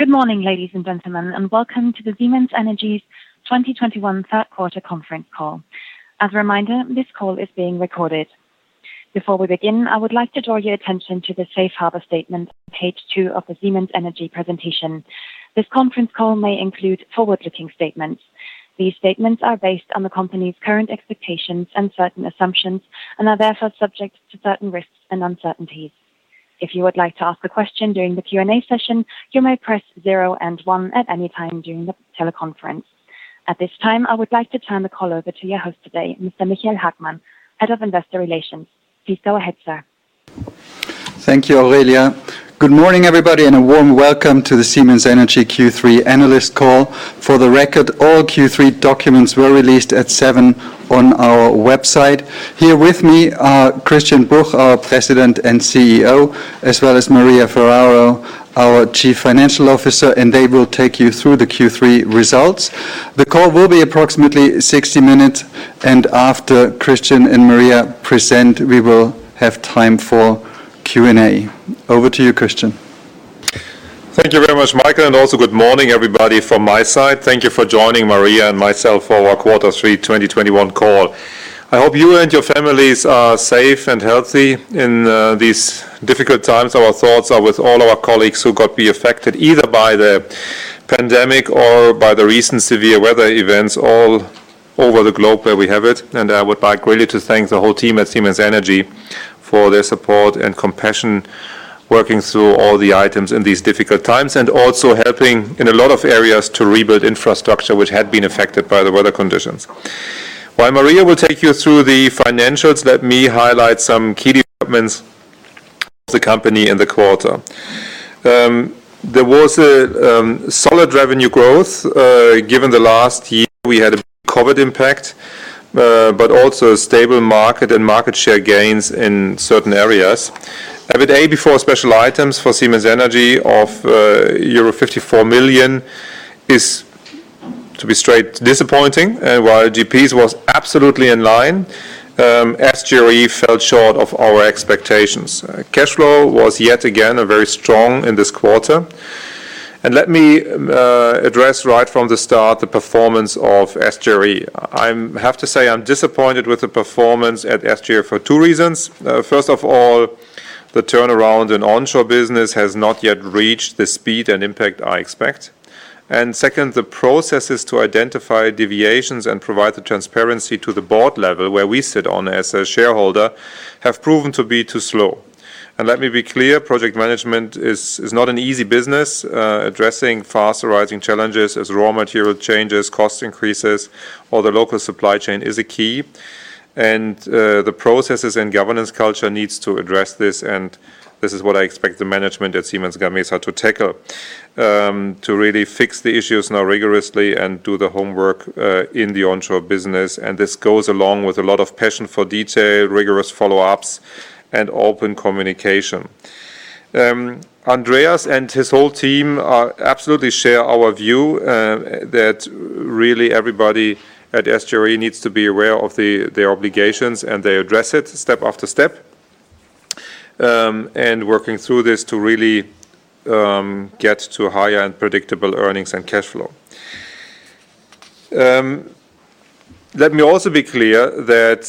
Good morning, ladies and gentlemen, and welcome to the Siemens Energy's 2021 third quarter conference call. As a reminder, this call is being recorded. Before we begin, I would like to draw your attention to the safe harbor statement on page two of the Siemens Energy presentation. This conference call may include forward-looking statements. These statements are based on the company's current expectations and certain assumptions and are therefore subject to certain risks and uncertainties. If you would like to ask a question during the Q&A session, you may press zero and one at any time during the teleconference. At this time, I would like to turn the call over to your host today, Mr. Michael Hagmann, Head of Investor Relations. Please go ahead, sir. Thank you, Aurelia. Good morning, everybody, and a warm welcome to the Siemens Energy Q3 analyst call. For the record, all Q3 documents were released at 7:00 A.M. on our website. Here with me are Christian Bruch, our President and CEO, as well as Maria Ferraro, our Chief Financial Officer, and they will take you through the Q3 results. The call will be approximately 60 minutes, and after Christian and Maria present, we will have time for Q&A. Over to you, Christian. Thank you very much, Michael Hagmann. Also good morning, everybody, from my side. Thank you for joining Maria Ferraro and myself for our Quarter 3 2021 call. I hope you and your families are safe and healthy in these difficult times. Our thoughts are with all our colleagues who got affected either by the pandemic or by the recent severe weather events all over the globe where we have it. I would like really to thank the whole team at Siemens Energy for their support and compassion, working through all the items in these difficult times, and also helping in a lot of areas to rebuild infrastructure which had been affected by the weather conditions. While Maria Ferraro will take you through the financials, let me highlight some key developments of the company in the quarter. There was a solid revenue growth. Given the last year, we had a big COVID impact, but also a stable market and market share gains in certain areas. EBITA before special items for Siemens Energy of euro 54 million is, to be straight, disappointing. While GP was absolutely in line, SGRE fell short of our expectations. Cash flow was yet again very strong in this quarter. Let me address right from the start the performance of SGRE. I have to say, I'm disappointed with the performance at SGRE for two reasons. First of all, the turnaround in onshore business has not yet reached the speed and impact I expect. Second, the processes to identify deviations and provide the transparency to the board level, where we sit on as a shareholder, have proven to be too slow. Let me be clear, project management is not an easy business. Addressing fast-arising challenges as raw material changes, cost increases, or the local supply chain is a key. The processes and governance culture needs to address this, and this is what I expect the management at Siemens Gamesa to tackle, to really fix the issues now rigorously and do the homework in the onshore business. This goes along with a lot of passion for detail, rigorous follow-ups, and open communication. Andreas and his whole team absolutely share our view, that really everybody at SGRE needs to be aware of their obligations, and they address it step after step, and working through this to really get to higher and predictable earnings and cash flow. Let me also be clear that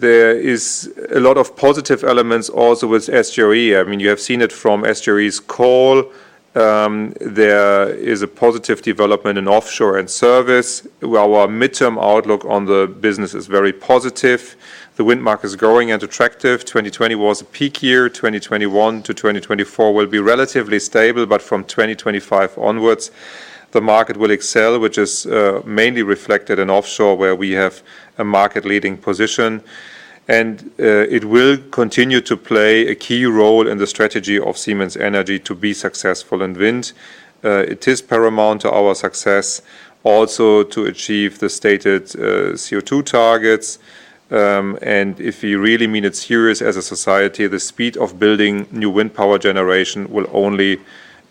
there is a lot of positive elements also with SGRE. You have seen it from SGRE's call. There is a positive development in offshore and service, where our midterm outlook on the business is very positive. The wind market is growing and attractive. 2020 was a peak year. 2021-2024 will be relatively stable, but from 2025 onwards, the market will excel, which is mainly reflected in offshore, where we have a market-leading position. It will continue to play a key role in the strategy of Siemens Energy to be successful in winds. It is paramount to our success also to achieve the stated CO2 targets. If you really mean it serious as a society, the speed of building new wind power generation will only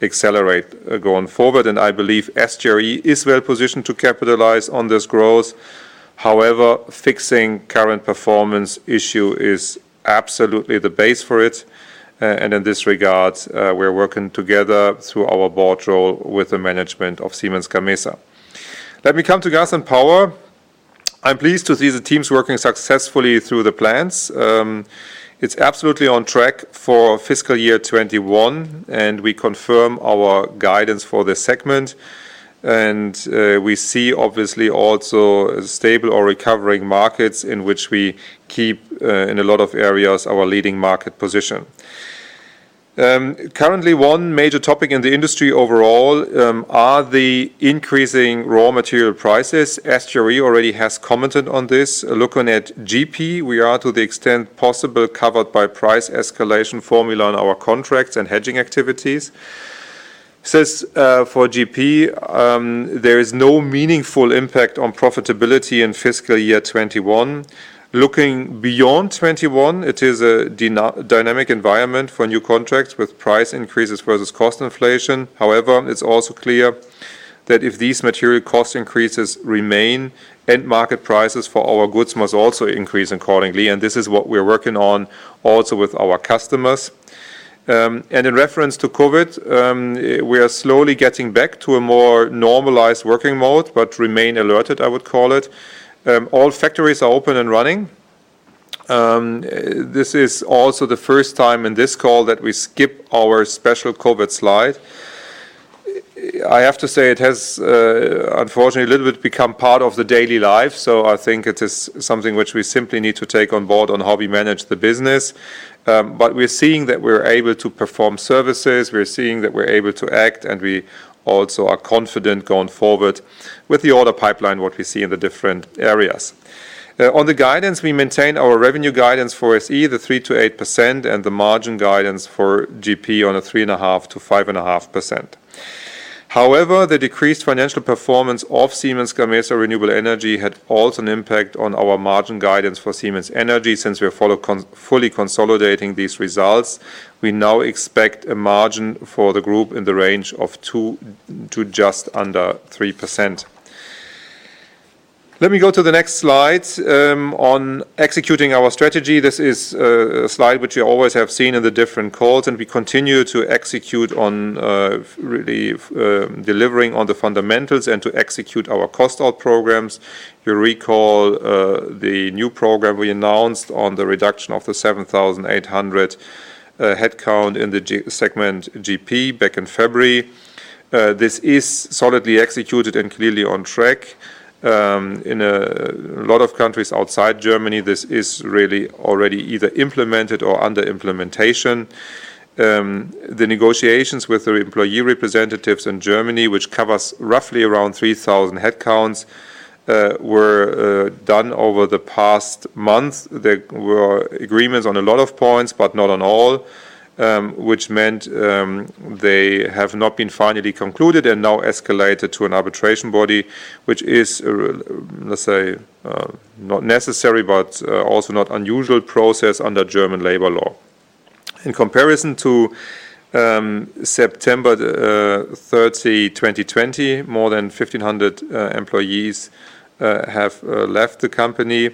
accelerate going forward. I believe SGRE is well-positioned to capitalize on this growth. However, fixing current performance issue is absolutely the base for it. In this regard, we're working together through our board role with the management of Siemens Gamesa. Let me come to Gas and Power. I'm pleased to see the teams working successfully through the plans. It's absolutely on track for fiscal year 2021, and we confirm our guidance for this segment. We see, obviously, also stable or recovering markets in which we keep, in a lot of areas, our leading market position. Currently, one major topic in the industry overall are the increasing raw material prices. SGRE already has commented on this. Looking at GP, we are, to the extent possible, covered by price escalation formula on our contracts and hedging activities. Says for GP, there is no meaningful impact on profitability in fiscal year 2021. Looking beyond 2021, it is a dynamic environment for new contracts with price increases versus cost inflation. However, it's also clear that if these material cost increases remain, end market prices for our goods must also increase accordingly. This is what we're working on also with our customers. In reference to COVID, we are slowly getting back to a more normalized working mode, but remain alerted, I would call it. All factories are open and running. This is also the first time in this call that we skip our special COVID slide. I have to say it has, unfortunately, a little bit become part of the daily life. I think it is something which we simply need to take on board on how we manage the business. We're seeing that we're able to perform services. We're seeing that we're able to act, and we also are confident going forward with the order pipeline, what we see in the different areas. On the guidance, we maintain our revenue guidance for SE, the 3%-8%, and the margin guidance for GP on a 3.5%-5.5%. However, the decreased financial performance of Siemens Gamesa Renewable Energy had also an impact on our margin guidance for Siemens Energy since we're fully consolidating these results. We now expect a margin for the group in the range of 2% to just under 3%. Let me go to the next slide. On executing our strategy, this is a slide which you always have seen in the different calls, and we continue to execute on really delivering on the fundamentals and to execute our cost-out programs. You recall the new program we announced on the reduction of the 7,800 headcount in the segment GP back in February. This is solidly executed and clearly on track. In a lot of countries outside Germany, this is really already either implemented or under implementation. The negotiations with the employee representatives in Germany, which covers roughly around 3,000 headcounts, were done over the past month. There were agreements on a lot of points, but not on all, which meant they have not been finally concluded and now escalated to an arbitration body, which is, let's say, not necessary but also not unusual process under German labor law. In comparison to September 30, 2020, more than 1,500 employees have left the company.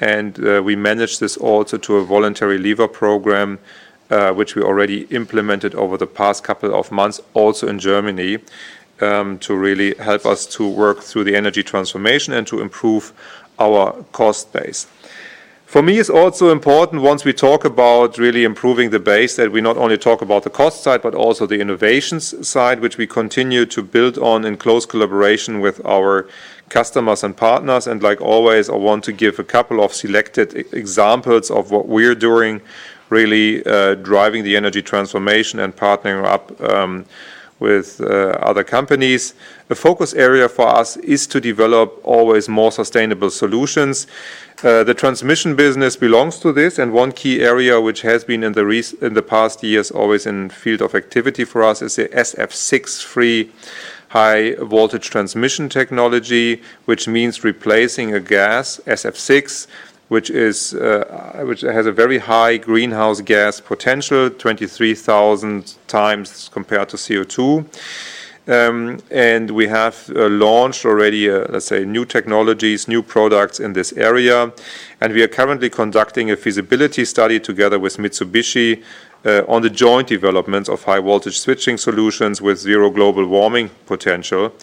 We managed this also to a voluntary leaver program, which we already implemented over the past couple of months, also in Germany, to really help us to work through the energy transformation and to improve our cost base. For me, it's also important once we talk about really improving the base, that we not only talk about the cost side, but also the innovations side, which we continue to build on in close collaboration with our customers and partners. Like always, I want to give a couple of selected examples of what we're doing, really driving the energy transformation and partnering up with other companies. The focus area for us is to develop always more sustainable solutions. The transmission business belongs to this, and one key area which has been in the past years always in field of activity for us is the SF6-free high voltage transmission technology, which means replacing a gas, SF6, which has a very high greenhouse gas potential, 23,000 times compared to CO2. We have launched already, let's say, new technologies, new products in this area. We are currently conducting a feasibility study together with Mitsubishi on the joint development of high voltage switching solutions with zero global warming potential.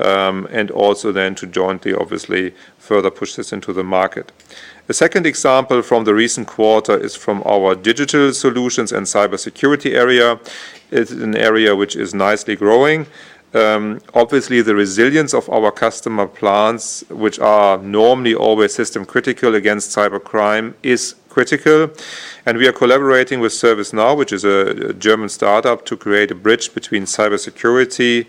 Also then to jointly, obviously, further push this into the market. The second example from the recent quarter is from our digital solutions and cybersecurity area. It's an area which is nicely growing. Obviously, the resilience of our customer plants, which are normally always system critical against cybercrime, is critical. We are collaborating with [ServiceNow], which is a German startup, to create a bridge between cybersecurity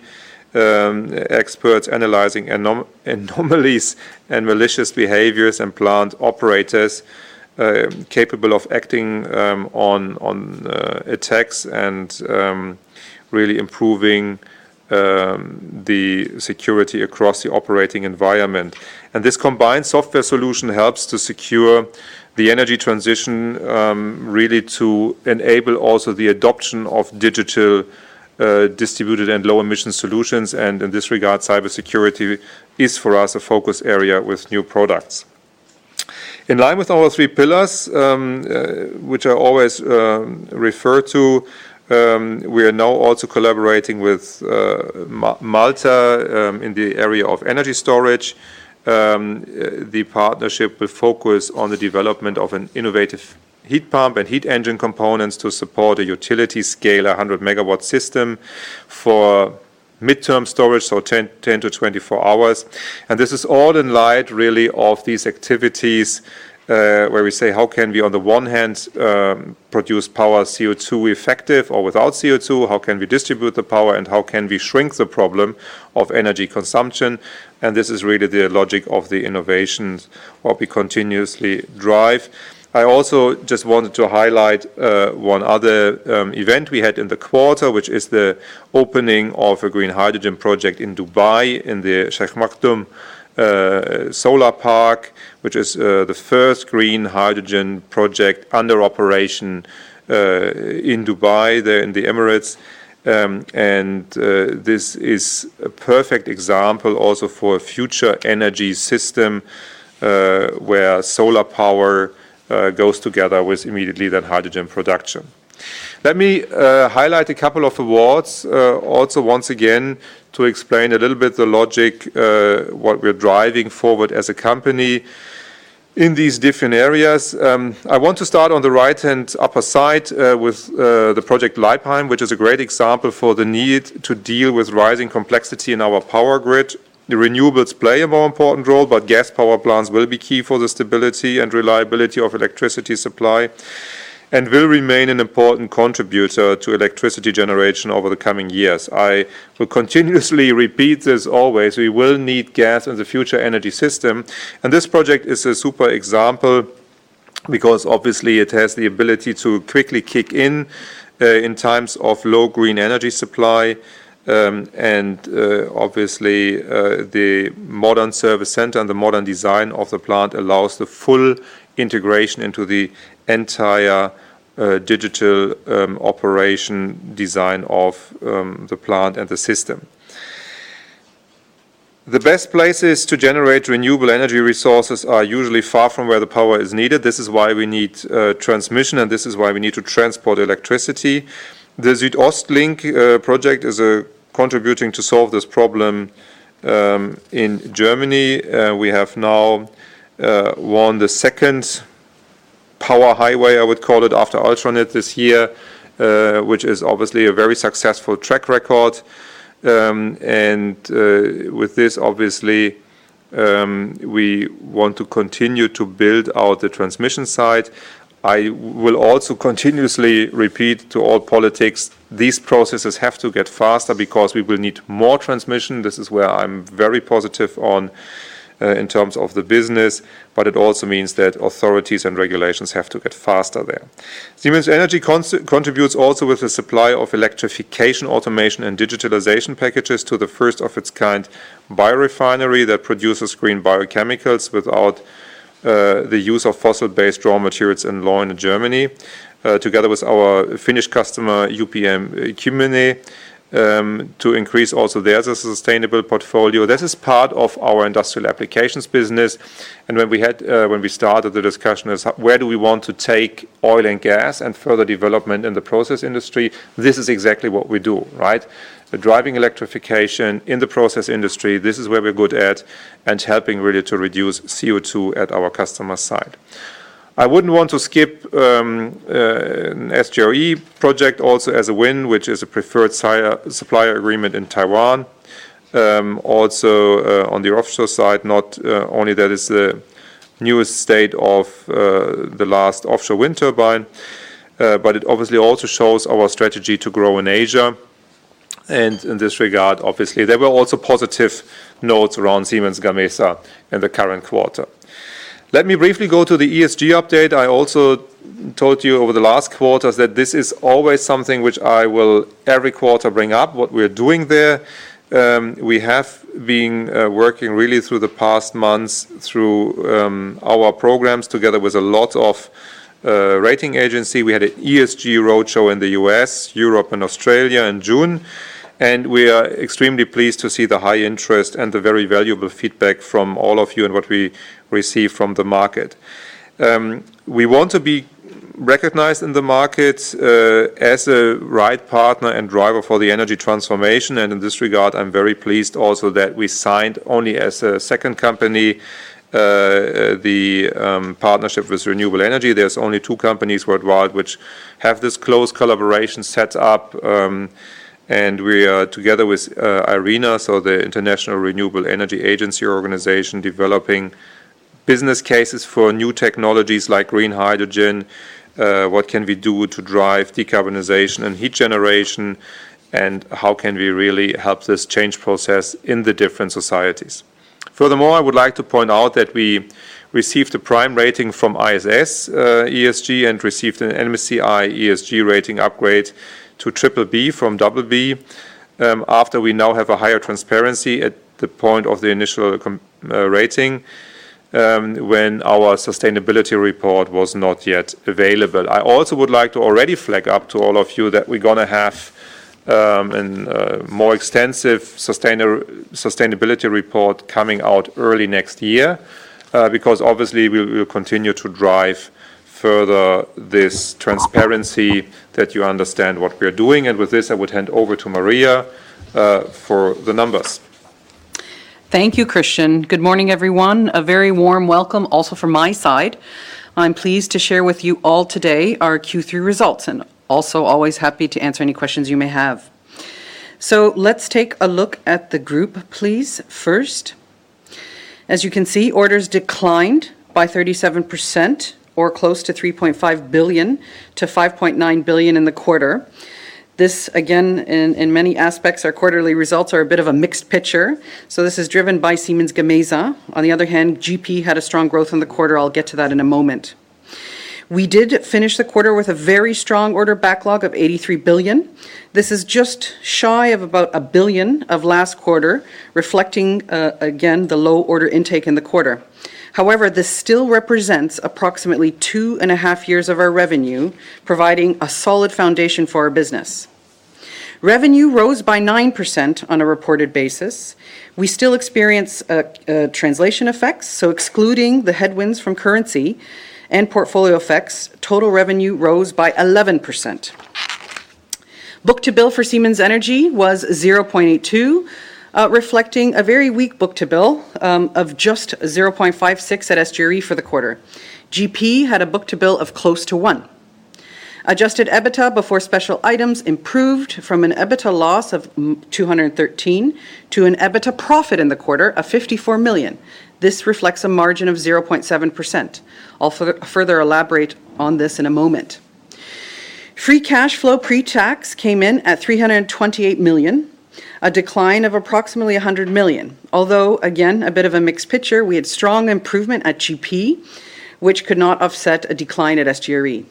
experts analyzing anomalies and malicious behaviors and plant operators capable of acting on attacks and really improving the security across the operating environment. This combined software solution helps to secure the energy transition, really to enable also the adoption of digital distributed and low emission solutions. In this regard, cybersecurity is for us a focus area with new products. In line with our three pillars, which I always refer to, we are now also collaborating with Malta in the area of energy storage. The partnership will focus on the development of an innovative heat pump and heat engine components to support a utility-scale 100 MW system for midterm storage, so 10 to 24 hours. This is all in light, really, of these activities where we say how can we, on the one hand, produce power CO2 effective or without CO2? How can we distribute the power? How can we shrink the problem of energy consumption? This is really the logic of the innovations what we continuously drive. I also just wanted to highlight one other event we had in the quarter, which is the opening of a green hydrogen project in Dubai in the Mohammed bin Rashid Al Maktoum Solar Park, which is the first green hydrogen project under operation in Dubai there in the Emirates. This is a perfect example also for a future energy system, where solar power goes together with immediately that hydrogen production. Let me highlight a couple of awards also once again to explain a little bit the logic, what we're driving forward as a company in these different areas. I want to start on the right-hand upper side with the Project Leipheim, which is a great example for the need to deal with rising complexity in our power grid. The renewables play a more important role, but gas power plants will be key for the stability and reliability of electricity supply and will remain an important contributor to electricity generation over the coming years. I will continuously repeat this always. We will need gas in the future energy system. This project is a super example because obviously it has the ability to quickly kick in times of low green energy supply. Obviously, the modern service center and the modern design of the plant allows the full integration into the entire digital operation design of the plant and the system. The best places to generate renewable energy resources are usually far from where the power is needed. This is why we need transmission, and this is why we need to transport electricity. The SuedOstLink Project is contributing to solve this problem in Germany. We have now won the second power highway, I would call it, after Ultranet this year, which is obviously a very successful track record. With this, obviously, we want to continue to build out the transmission side. I will also continuously repeat to all politics, these processes have to get faster because we will need more transmission. This is where I'm very positive on in terms of the business, but it also means that authorities and regulations have to get faster there. Siemens Energy contributes also with the supply of electrification, automation, and digitalization packages to the first of its kind biorefinery that produces green biochemicals without the use of fossil-based raw materials in Leuna, Germany, together with our finished customer UPM-Kymmene, to increase also their sustainable portfolio. This is part of our industrial applications business. When we started the discussion is where do we want to take oil and gas and further development in the process industry, this is exactly what we do, right? Driving electrification in the process industry, this is where we're good at, and helping really to reduce CO2 at our customer side. I wouldn't want to skip SGRE Project also as a win, which is a preferred supplier agreement in Taiwan. On the offshore side, not only that is the newest state of the last offshore wind turbine, but it obviously also shows our strategy to grow in Asia. In this regard, obviously, there were also positive notes around Siemens Gamesa in the current quarter. Let me briefly go to the ESG update. I also told you over the last quarters that this is always something which I will every quarter bring up what we're doing there. We have been working really through the past months through our programs together with a lot of rating agency. We had an ESG roadshow in the U.S., Europe, and Australia in June. We are extremely pleased to see the high interest and the very valuable feedback from all of you and what we receive from the market. We want to be recognized in the market as a right partner and driver for the energy transformation. In this regard, I'm very pleased also that we signed only as a second company, the partnership with International Renewable Energy Agency. There's only two companies worldwide which have this close collaboration set up. We are together with IRENA, the International Renewable Energy Agency organization, developing business cases for new technologies like green hydrogen, what can we do to drive decarbonization and heat generation, and how can we really help this change process in the different societies? Furthermore, I would like to point out that we received a prime rating from ISS ESG and received an MSCI ESG rating upgrade to BBB from BB, after we now have a higher transparency at the point of the initial rating, when our sustainability report was not yet available. I also would like to already flag up to all of you that we're going to have a more extensive sustainability report coming out early next year. Because, obviously we'll continue to drive further this transparency that you understand what we're doing. With this, I would hand over to Maria for the numbers. Thank you, Christian. Good morning, everyone. A very warm welcome also from my side. I'm pleased to share with you all today our Q3 results, and also always happy to answer any questions you may have. Let's take a look at the group, please, first. As you can see, orders declined by 37%, or close to 3.5 billion to 5.9 billion in the quarter. This again, in many aspects, our quarterly results are a bit of a mixed picture. This is driven by Siemens Gamesa. On the other hand, GP had a strong growth in the quarter. I'll get to that in a moment. We did finish the quarter with a very strong order backlog of 83 billion. This is just shy of about 1 billion of last quarter, reflecting, again, the low order intake in the quarter. However, this still represents approximately two and a half years of our revenue, providing a solid foundation for our business. Revenue rose by 9% on a reported basis. We still experience translation effects, so excluding the headwinds from currency and portfolio effects, total revenue rose by 11%. Book-to-bill for Siemens Energy was [0.2], reflecting a very weak book-to-bill of just 0.56 at SGRE for the quarter. GP had a book-to-bill of close to 1. Adjusted EBITDA before special items improved from an EBITDA loss of 213 to an EBITDA profit in the quarter of 54 million. This reflects a margin of 0.7%. I'll further elaborate on this in a moment. Free cash flow pre-tax came in at 328 million, a decline of approximately 100 million. Although again, a bit of a mixed picture. We had strong improvement at GP, which could not offset a decline at SGRE.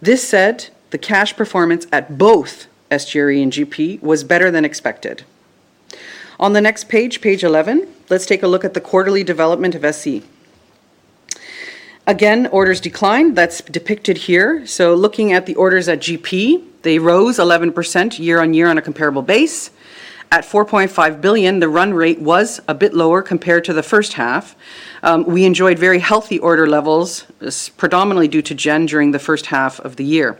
This said, the cash performance at both SGRE and GP was better than expected. On the next page, page 11, let's take a look at the quarterly development of SE. Again, orders declined. That's depicted here. Looking at the orders at GP, they rose 11% year-on-year on a comparable base. At 4.5 billion, the run rate was a bit lower compared to the first half. We enjoyed very healthy order levels, predominantly due to Generation during the first half of the year.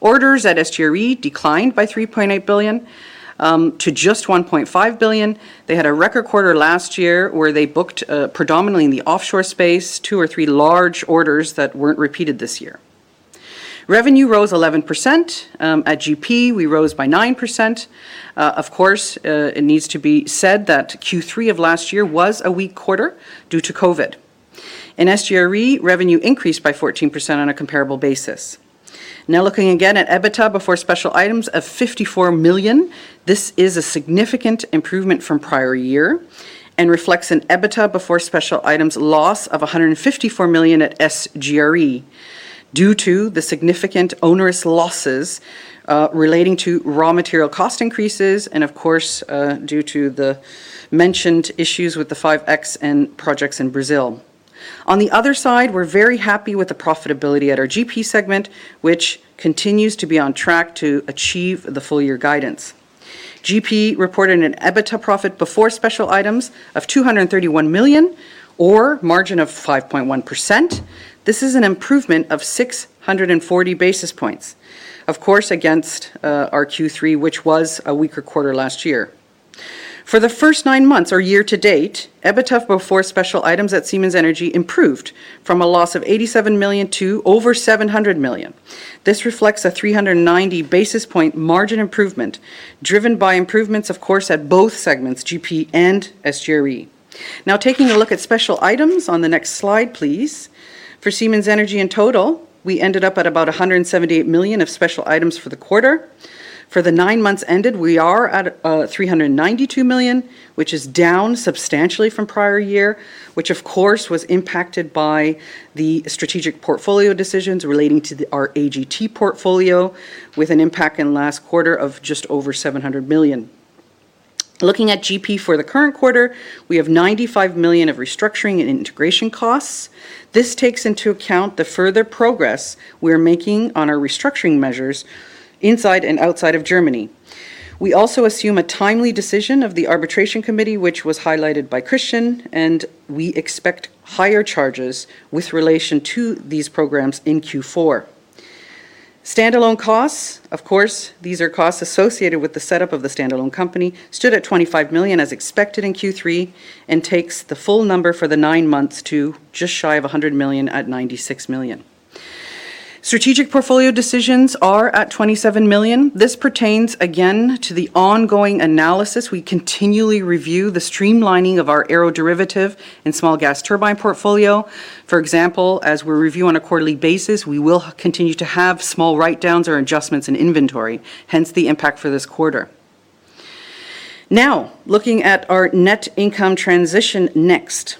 Orders at SGRE declined by 3.8 billion to just 1.5 billion. They had a record quarter last year where they booked predominantly in the offshore space, two or three large orders that weren't repeated this year. Revenue rose 11%. At GP, we rose by 9%. Of course, it needs to be said that Q3 of last year was a weak quarter due to COVID. In SGRE, revenue increased by 14% on a comparable basis. Looking again at EBITDA before special items of 54 million. This is a significant improvement from prior year and reflects an EBITDA before special items loss of 154 million at SGRE due to the significant onerous losses relating to raw material cost increases and, of course, due to the mentioned issues with the 5.X and projects in Brazil. On the other side, we're very happy with the profitability at our GP segment, which continues to be on track to achieve the full-year guidance. GP reported an EBITDA profit before special items of 231 million or margin of 5.1%. This is an improvement of 640 basis points, of course, against our Q3, which was a weaker quarter last year. For the first nine months or year-to-date, EBITDA before special items at Siemens Energy improved from a loss of 87 million to over 700 million. This reflects a 390 basis point margin improvement driven by improvements, of course, at both segments, GP and SGRE. Now, taking a look at special items on the next slide, please. For Siemens Energy in total, we ended up at about 178 million of special items for the quarter. For the nine months ended, we are at 392 million, which is down substantially from prior year, which of course was impacted by the strategic portfolio decisions relating to our AGT portfolio with an impact in last quarter of just over 700 million. Looking at GP for the current quarter, we have 95 million of restructuring and integration costs. This takes into account the further progress we're making on our restructuring measures inside and outside of Germany. We also assume a timely decision of the arbitration committee, which was highlighted by Christian, and we expect higher charges with relation to these programs in Q4. Standalone costs, of course, these are costs associated with the setup of the standalone company, stood at 25 million as expected in Q3 and takes the full number for the nine months to just shy of 100 million at 96 million. strategic portfolio decisions are at 27 million. This pertains, again, to the ongoing analysis. We continually review the streamlining of our aeroderivative and small gas turbine portfolio. For example, as we review on a quarterly basis, we will continue to have small write-downs or adjustments in inventory, hence the impact for this quarter. Now, looking at our net income transition next.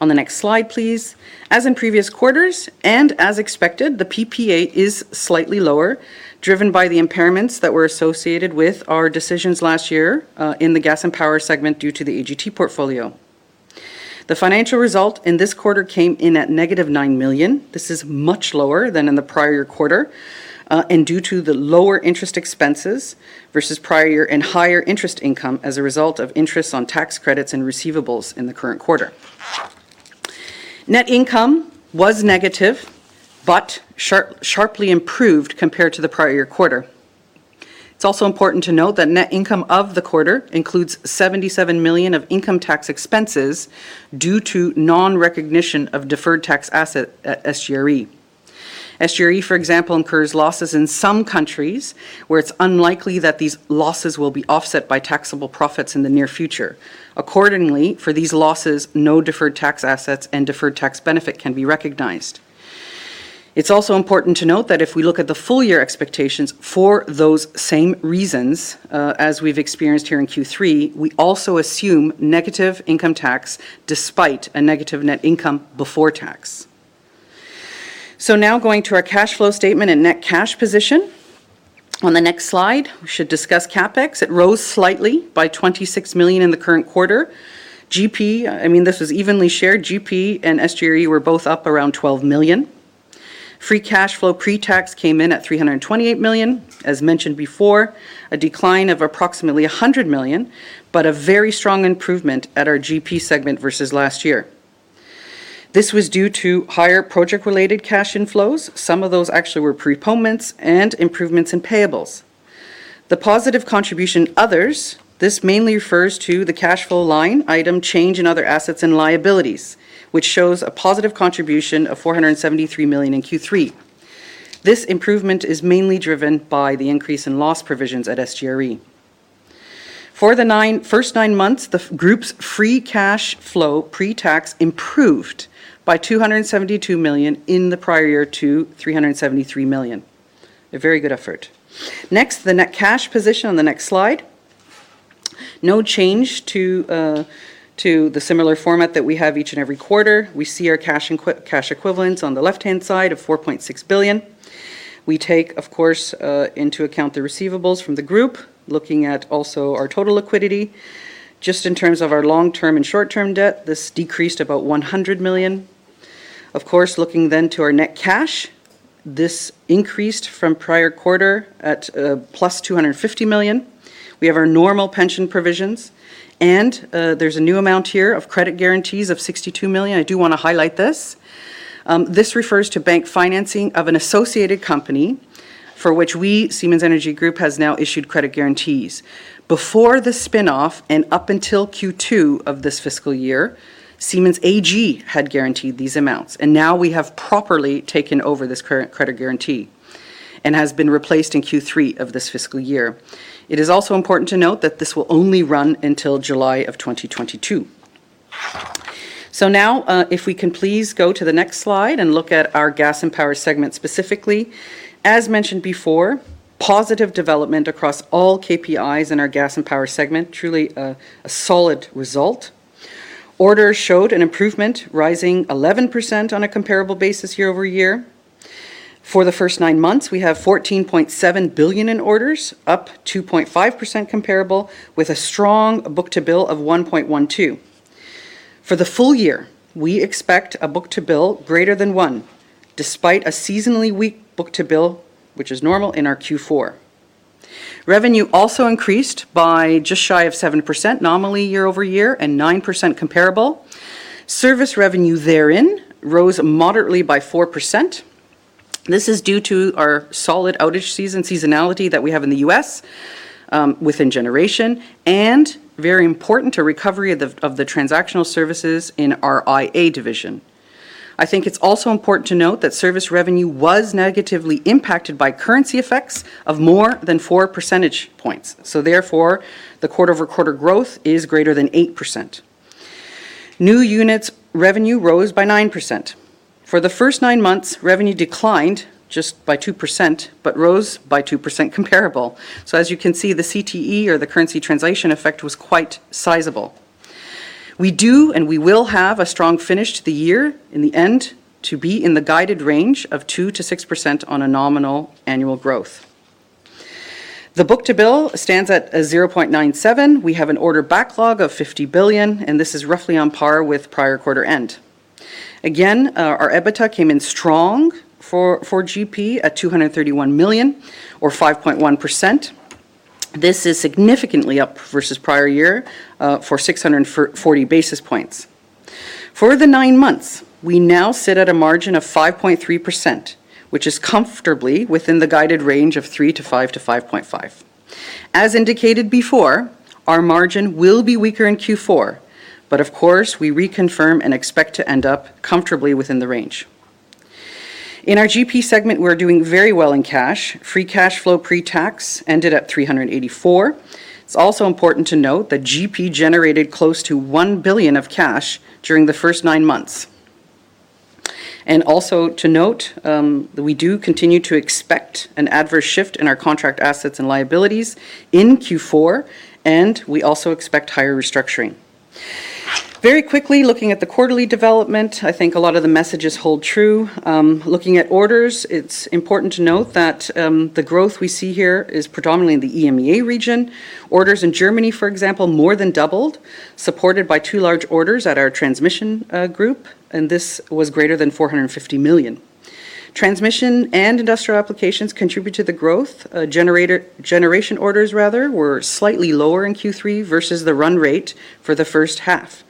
On the next slide, please. As in previous quarters, and as expected, the PPA is slightly lower, driven by the impairments that were associated with our decisions last year in the gas and power segment due to the AGT portfolio. The financial result in this quarter came in at negative 9 million. This is much lower than in the prior quarter and due to the lower interest expenses versus prior year and higher interest income as a result of interest on tax credits and receivables in the current quarter. Net income was negative, but sharply improved compared to the prior quarter. It's also important to note that net income of the quarter includes 77 million of income tax expenses due to non-recognition of deferred tax asset at SGRE. SGRE, for example, incurs losses in some countries where it's unlikely that these losses will be offset by taxable profits in the near future. Accordingly, for these losses, no deferred tax assets and deferred tax benefit can be recognized. It's also important to note that if we look at the full-year expectations for those same reasons as we've experienced here in Q3, we also assume negative income tax despite a negative net income before tax. Now going to our cash flow statement and net cash position. On the next slide, we should discuss CapEx. It rose slightly by 26 million in the current quarter. This was evenly shared. GP and SGRE were both up around 12 million. Free cash flow pre-tax came in at 328 million. As mentioned before, a decline of approximately 100 million, but a very strong improvement at our GP segment versus last year. This was due to higher project-related cash inflows. Some of those actually were prepayments and improvements in payables. The positive contribution others, this mainly refers to the cash flow line item change in other assets and liabilities, which shows a positive contribution of 473 million in Q3. This improvement is mainly driven by the increase in loss provisions at SGRE. For the first nine months, the group's free cash flow pre-tax improved by 272 million in the prior year to 373 million. A very good effort. Next, the net cash position on the next slide. No change to the similar format that we have each and every quarter. We see our cash equivalents on the left-hand side of 4.6 billion. We take, of course, into account the receivables from the group, looking at also our total liquidity. Just in terms of our long-term and short-term debt, this decreased about 100 million. Of course, looking then to our net cash, this increased from prior quarter at plus 250 million. We have our normal pension provisions. There's a new amount here of credit guarantees of 62 million. I do want to highlight this. This refers to bank financing of an associated company for which we, Siemens Energy Group, has now issued credit guarantees. Before the spin-off and up until Q2 of this fiscal year, Siemens AG had guaranteed these amounts. Now we have properly taken over this credit guarantee and has been replaced in Q3 of this fiscal year. It is also important to note that this will only run until July of 2022. Now, if we can please go to the next slide and look at our gas and power segment specifically. As mentioned before, positive development across all KPIs in our gas and power segment, truly a solid result. Orders showed an improvement, rising 11% on a comparable basis year-over-year. For the first 9 months, we have 14.7 billion in orders, up 2.5% comparable, with a strong book-to-bill of 1.12. For the full year, we expect a book-to-bill greater than one, despite a seasonally weak book-to-bill, which is normal in our Q4. Revenue also increased by just shy of 7% nominally year-over-year and 9% comparable. Service revenue therein rose moderately by 4%. This is due to our solid outage seasonality that we have in the U.S. within Generation and very important to recovery of the transactional services in our IA division. I think it's also important to note that service revenue was negatively impacted by currency effects of more than 4 percentage points. Therefore, the quarter-over-quarter growth is greater than 8%. New units revenue rose by 9%. For the first 9 months, revenue declined just by 2%, but rose by 2% comparable. As you can see, the CTE or the currency translation effect was quite sizable. We do and we will have a strong finish to the year in the end to be in the guided range of 2%-6% on a nominal annual growth. The book-to-bill stands at 0.97. We have an order backlog of 50 billion, and this is roughly on par with prior quarter end. Again, our EBITDA came in strong for GP at 231 million or 5.1%. This is significantly up versus the prior year for 640 basis points. For the 9 months, we now sit at a margin of 5.3%, which is comfortably within the guided range of 3% to 5% to 5.5%. As indicated before, our margin will be weaker in Q4, of course, we reconfirm and expect to end up comfortably within the range. In our GP segment, we're doing very well in cash. Free cash flow pre-tax ended at 384. It's also important to note that GP generated close to 1 billion of cash during the first 9 months. Also to note that we do continue to expect an adverse shift in our contract assets and liabilities in Q4, and we also expect higher restructuring. Very quickly, looking at the quarterly development, I think a lot of the messages hold true. Looking at orders, it's important to note that the growth we see here is predominantly in the EMEA region. Orders in Germany, for example, more than doubled, supported by two large orders at our transmission group, and this was greater than 450 million. Transmission and industrial applications contribute to the growth. Generation orders were slightly lower in Q3 versus the run rate for the first half.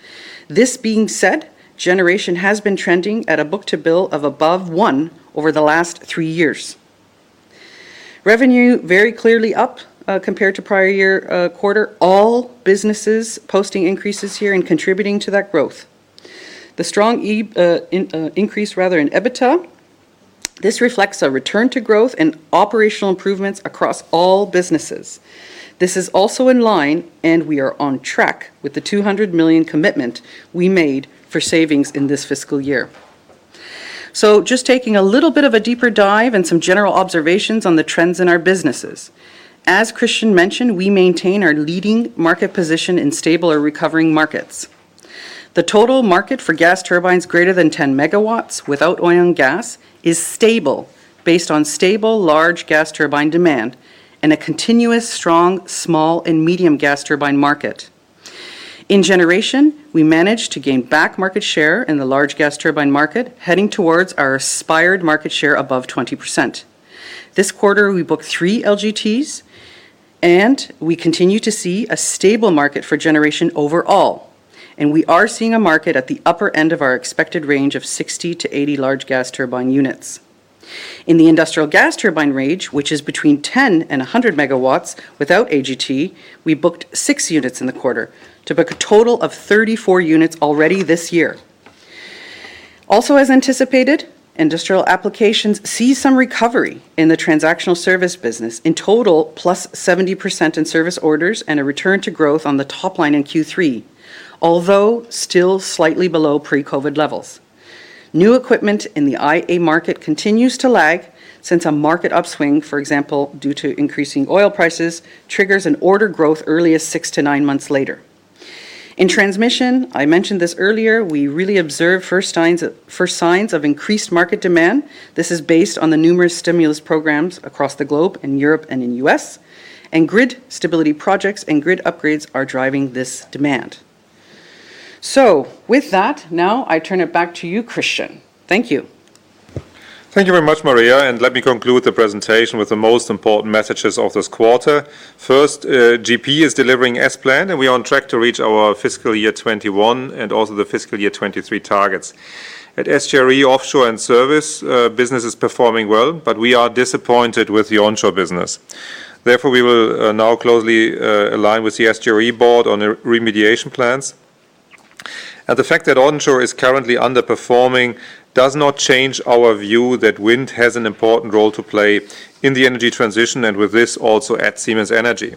This being said, Generation has been trending at a book-to-bill of above one over the last three years. Revenue very clearly up compared to prior year quarter. All businesses posting increases here and contributing to that growth. The strong increase in EBITDA. This reflects a return to growth and operational improvements across all businesses. This is also in line, and we are on track with the 200 million commitment we made for savings in this fiscal year. Just taking a little bit of a deeper dive and some general observations on the trends in our businesses. As Christian mentioned, we maintain our leading market position in stable or recovering markets. The total market for gas turbines greater than 10 MW without oil and gas is stable based on stable large gas turbine demand and a continuous strong small and medium gas turbine market. In Generation, we managed to gain back market share in the large gas turbine market, heading towards our aspired market share above 20%. This quarter, we booked three LGTs. We continue to see a stable market for Generation overall, and we are seeing a market at the upper end of our expected range of 60-80 large gas turbine units. In the industrial gas turbine range, which is between 10 MW and 100 MW, without AGT, we booked 6 units in the quarter to book a total of 34 units already this year. As anticipated, Industrial Applications see some recovery in the transactional service business. Total, +70% in service orders and a return to growth on the top line in Q3, although still slightly below pre-COVID levels. New equipment in the IA market continues to lag since a market upswing, for example, due to increasing oil prices, triggers an order growth earliest 6 to 9 months later. In Transmission, I mentioned this earlier, we really observe first signs of increased market demand. This is based on the numerous stimulus programs across the globe, in Europe and in the U.S., and grid stability projects and grid upgrades are driving this demand. With that, now I turn it back to you, Christian. Thank you. Thank you very much, Maria, and let me conclude the presentation with the most important messages of this quarter. First, GP is delivering as planned, and we are on track to reach our fiscal year 2021 and also the fiscal year 2023 targets. At SGRE offshore and service, business is performing well, but we are disappointed with the onshore business. Therefore, we will now closely align with the SGRE board on remediation plans. The fact that onshore is currently underperforming does not change our view that wind has an important role to play in the energy transition, and with this, also at Siemens Energy.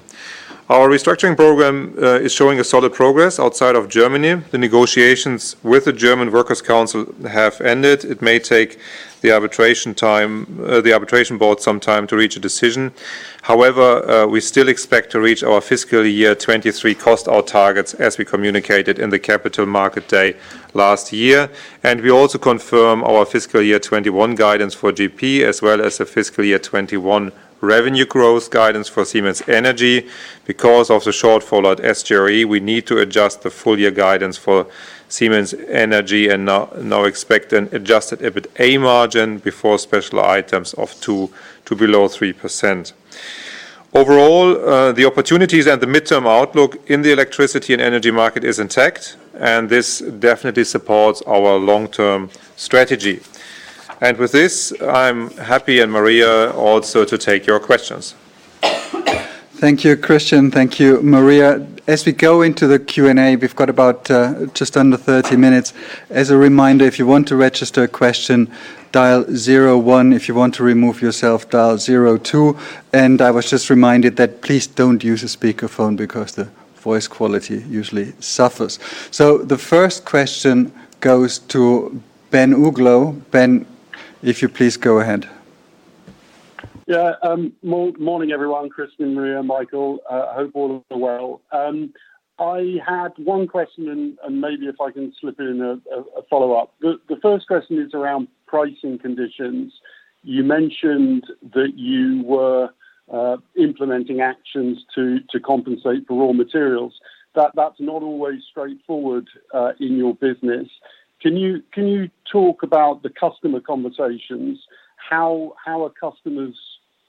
Our restructuring program is showing a solid progress outside of Germany. The negotiations with the German Workers' Council have ended. It may take the arbitration board some time to reach a decision. However, we still expect to reach our fiscal year 2023 cost out targets as we communicated in the capital market day last year. We also confirm our fiscal year 2021 guidance for GP as well as the fiscal year 2021 revenue growth guidance for Siemens Energy. Because of the shortfall at SGRE, we need to adjust the full year guidance for Siemens Energy and now expect an Adjusted EBITA margin before special items of 2% to below 3%. Overall, the opportunities and the midterm outlook in the electricity and energy market is intact, and this definitely supports our long-term strategy. With this, I'm happy, and Maria also, to take your questions. Thank you, Christian. Thank you, Maria. As we go into the Q&A, we've got about just under 30 minutes. As a reminder, if you want to register a question, dial zero one. If you want to remove yourself, dial zero two. I was just reminded that please don't use a speakerphone because the voice quality usually suffers. The first question goes to Ben Uglow. Ben, if you please go ahead. Yeah. Morning, everyone, Christian, Maria, Michael. Hope all is well. I had one question and maybe if I can slip in a follow-up. The first question is around pricing conditions. You mentioned that you were implementing actions to compensate for raw materials. That's not always straightforward in your business. Can you talk about the customer conversations? How are customers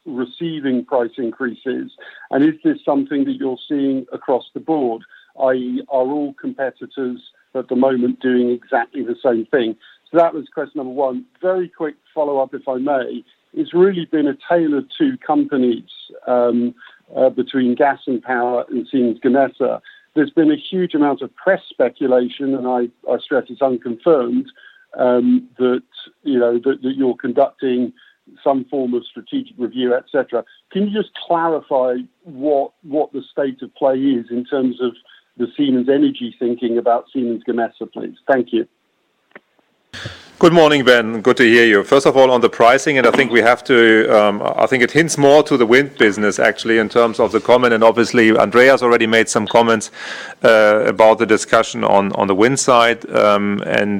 receiving price increases, and is this something that you're seeing across the board, i.e. are all competitors at the moment doing exactly the same thing? That was question number one. Very quick follow-up, if I may. It's really been a tale of two companies between gas and power at Siemens Gamesa. There's been a huge amount of press speculation, and I stress it's unconfirmed, that you're conducting some form of strategic review, et cetera. Can you just clarify what the state of play is in terms of the Siemens Energy thinking about Siemens Gamesa, please? Thank you. Good morning, Ben. Good to hear you. First of all, on the pricing end, I think it hints more to the wind business actually in terms of the comment, and obviously Andreas already made some comments about the discussion on the wind side.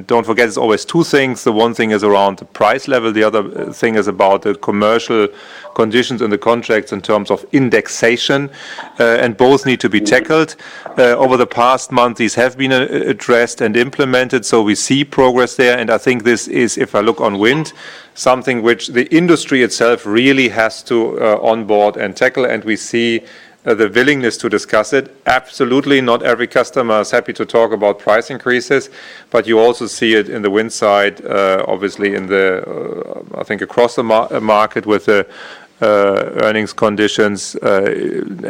Don't forget, it's always two things. The one thing is around price level, the other thing is about the commercial conditions and the contracts in terms of indexation, and both need to be tackled. Over the past month, these have been addressed and implemented, so we see progress there. I think this is, if I look on wind, something which the industry itself really has to onboard and tackle, and we see the willingness to discuss it. Absolutely not every customer is happy to talk about price increases, but you also see it in the wind side, obviously I think across the market with the earnings conditions.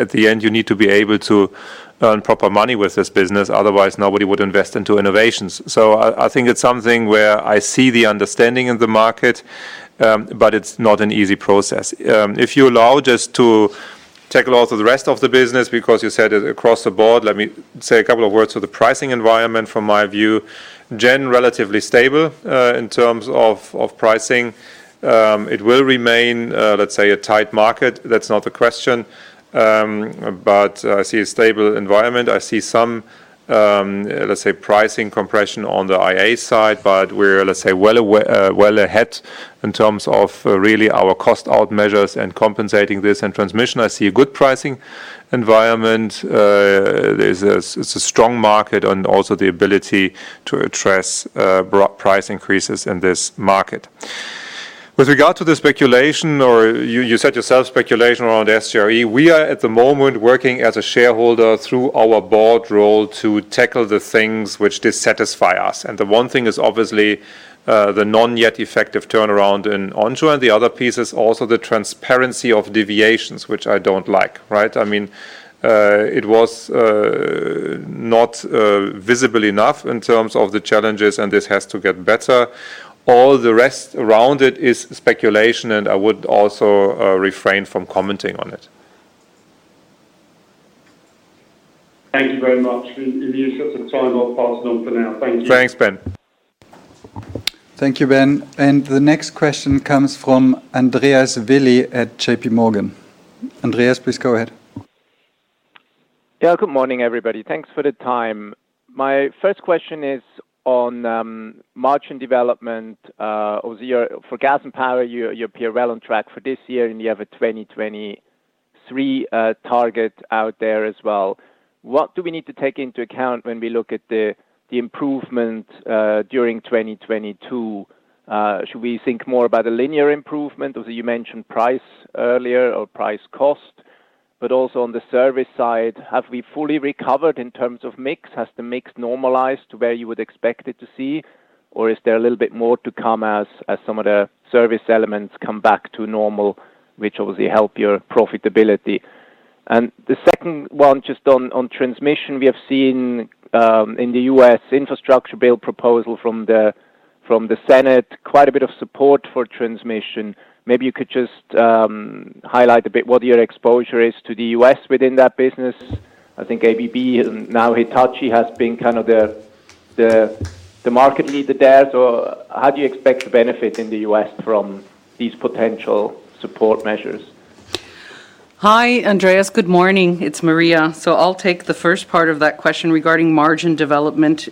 At the end, you need to be able to earn proper money with this business, otherwise nobody would invest into innovations. I think it's something where I see the understanding in the market, but it's not an easy process. If you allow just to take a look at the rest of the business, because you said it across the board. Let me say a couple of words for the pricing environment from my view. Generation, relatively stable, in terms of pricing. It will remain a tight market. That's not the question, but I see a stable environment. I see some pricing compression on the IA side, but we're well ahead in terms of really our cost out measures and compensating this. Transmission, I see a good pricing environment. It's a strong market and also the ability to address price increases in this market. With regard to the speculation, or you said yourself speculation around SGRE, we are at the moment working as a shareholder through our board role to tackle the things which dissatisfy us. The one thing is obviously, the non-yet effective turnaround in Onshore. The other piece is also the transparency of deviations, which I don't like. Right? It was not visible enough in terms of the challenges, and this has to get better. All the rest around it is speculation, and I would also refrain from commenting on it. Thank you very much. In the interest of time, I'll pass it on for now. Thank you. Thanks, Ben. Thank you, Ben. The next question comes from Andreas Willi at JPMorgan. Andreas, please go ahead. Yeah. Good morning, everybody. Thanks for the time. My first question is on margin development. For Gas and Power, you're well on track for this year, and you have a 2023 target out there as well. What do we need to take into account when we look at the improvement, during 2022? Should we think more about the linear improvement or you mentioned price earlier, or price cost? Also on the service side, have we fully recovered in terms of mix? Has the mix normalized to where you would expect it to see, or is there a little bit more to come as some of the service elements come back to normal, which obviously help your profitability? The second one, just on transmission, we have seen, in the U.S. infrastructure bill proposal from the Senate, quite a bit of support for transmission. Maybe you could just highlight a bit what your exposure is to the U.S. within that business? I think ABB and now Hitachi has been the market leader there. How do you expect to benefit in the U.S. from these potential support measures? Hi, Andreas Willi. Good morning. It's Maria Ferraro. I'll take the first part of that question regarding margin development.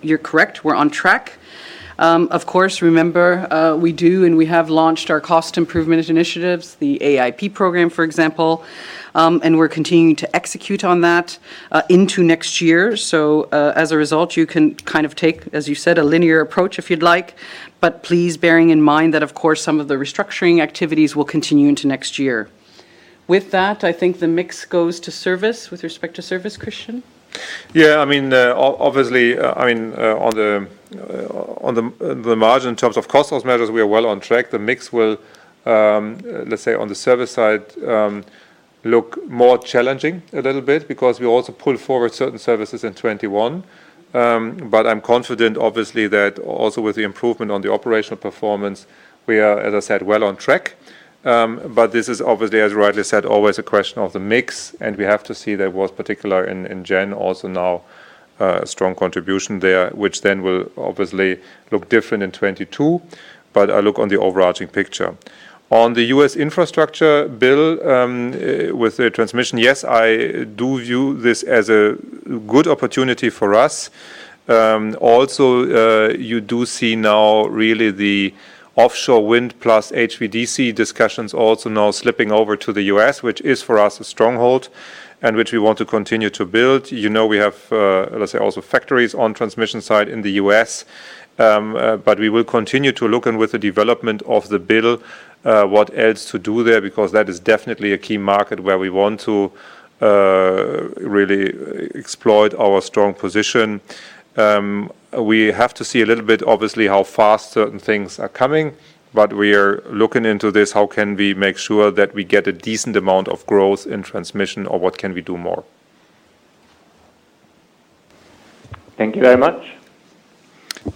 You're correct. We're on track. Of course, remember, we do and we have launched our cost improvement initiatives, the AIP program, for example, and we're continuing to execute on that into next year. As a result, you can take, as you said, a linear approach if you'd like, but please bearing in mind that of course, some of the restructuring activities will continue into next year. With that, I think the mix goes to service with respect to service, Christian Bruch? Yeah. Obviously, on the margin in terms of cost measures, we are well on track. The mix will, let's say, on the service side, look more challenging a little bit because we also pulled forward certain services in 2021, but I'm confident obviously that also with the improvement on the operational performance, we are, as I said, well on track. This is obviously, as rightly said, always a question of the mix, and we have to see there was particular in Generation also now, strong contribution there, which then will obviously look different in 2022. I look on the overarching picture. On the U.S. Infrastructure Bill, with the transmission, yes, I do view this as a good opportunity for us. You do see now really the offshore wind plus HVDC discussions also now slipping over to the U.S., which is for us a stronghold and which we want to continue to build. You know we have, let's say also factories on transmission side in the U.S. We will continue to look and with the development of the bill, what else to do there, because that is definitely a key market where we want to really exploit our strong position. We have to see a little bit, obviously, how fast certain things are coming, but we are looking into this, how can we make sure that we get a decent amount of growth in transmission, or what can we do more? Thank you very much.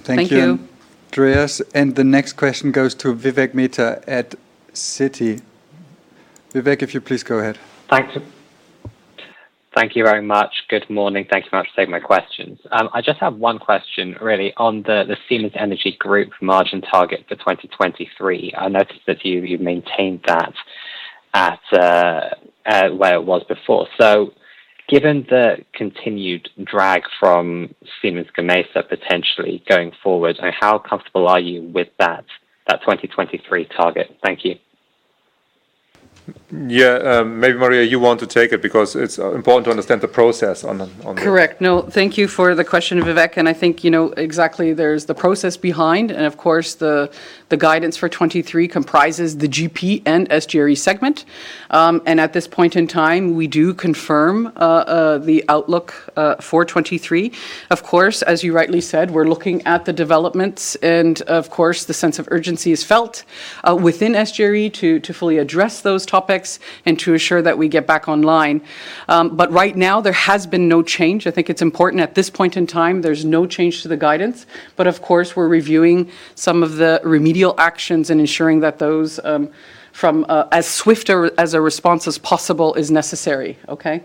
Thank you. Thank you, Andreas. The next question goes to Vivek Midha at Citi. Vivek, if you please go ahead. Thank you. Thank you very much. Good morning. Thank you very much for taking my questions. I just have one question really on the Siemens Energy Group margin target for 2023. I noticed that you've maintained that at where it was before. Given the continued drag from Siemens Gamesa potentially going forward, how comfortable are you with that 2023 target? Thank you. Yeah. Maybe Maria, you want to take it because it's important to understand the process on the. Thank you for the question, Vivek Midha. I think you know exactly there's the process behind. The guidance for 2023 comprises the GP and SGRE segment. At this point in time, we do confirm the outlook for 2023. As you rightly said, we're looking at the developments. Of course, the sense of urgency is felt within SGRE to fully address those topics and to assure that we get back online. Right now, there has been no change. I think it's important at this point in time, there's no change to the guidance. Of course, we're reviewing some of the remedial actions and ensuring that those from as swift as a response as possible is necessary. Okay?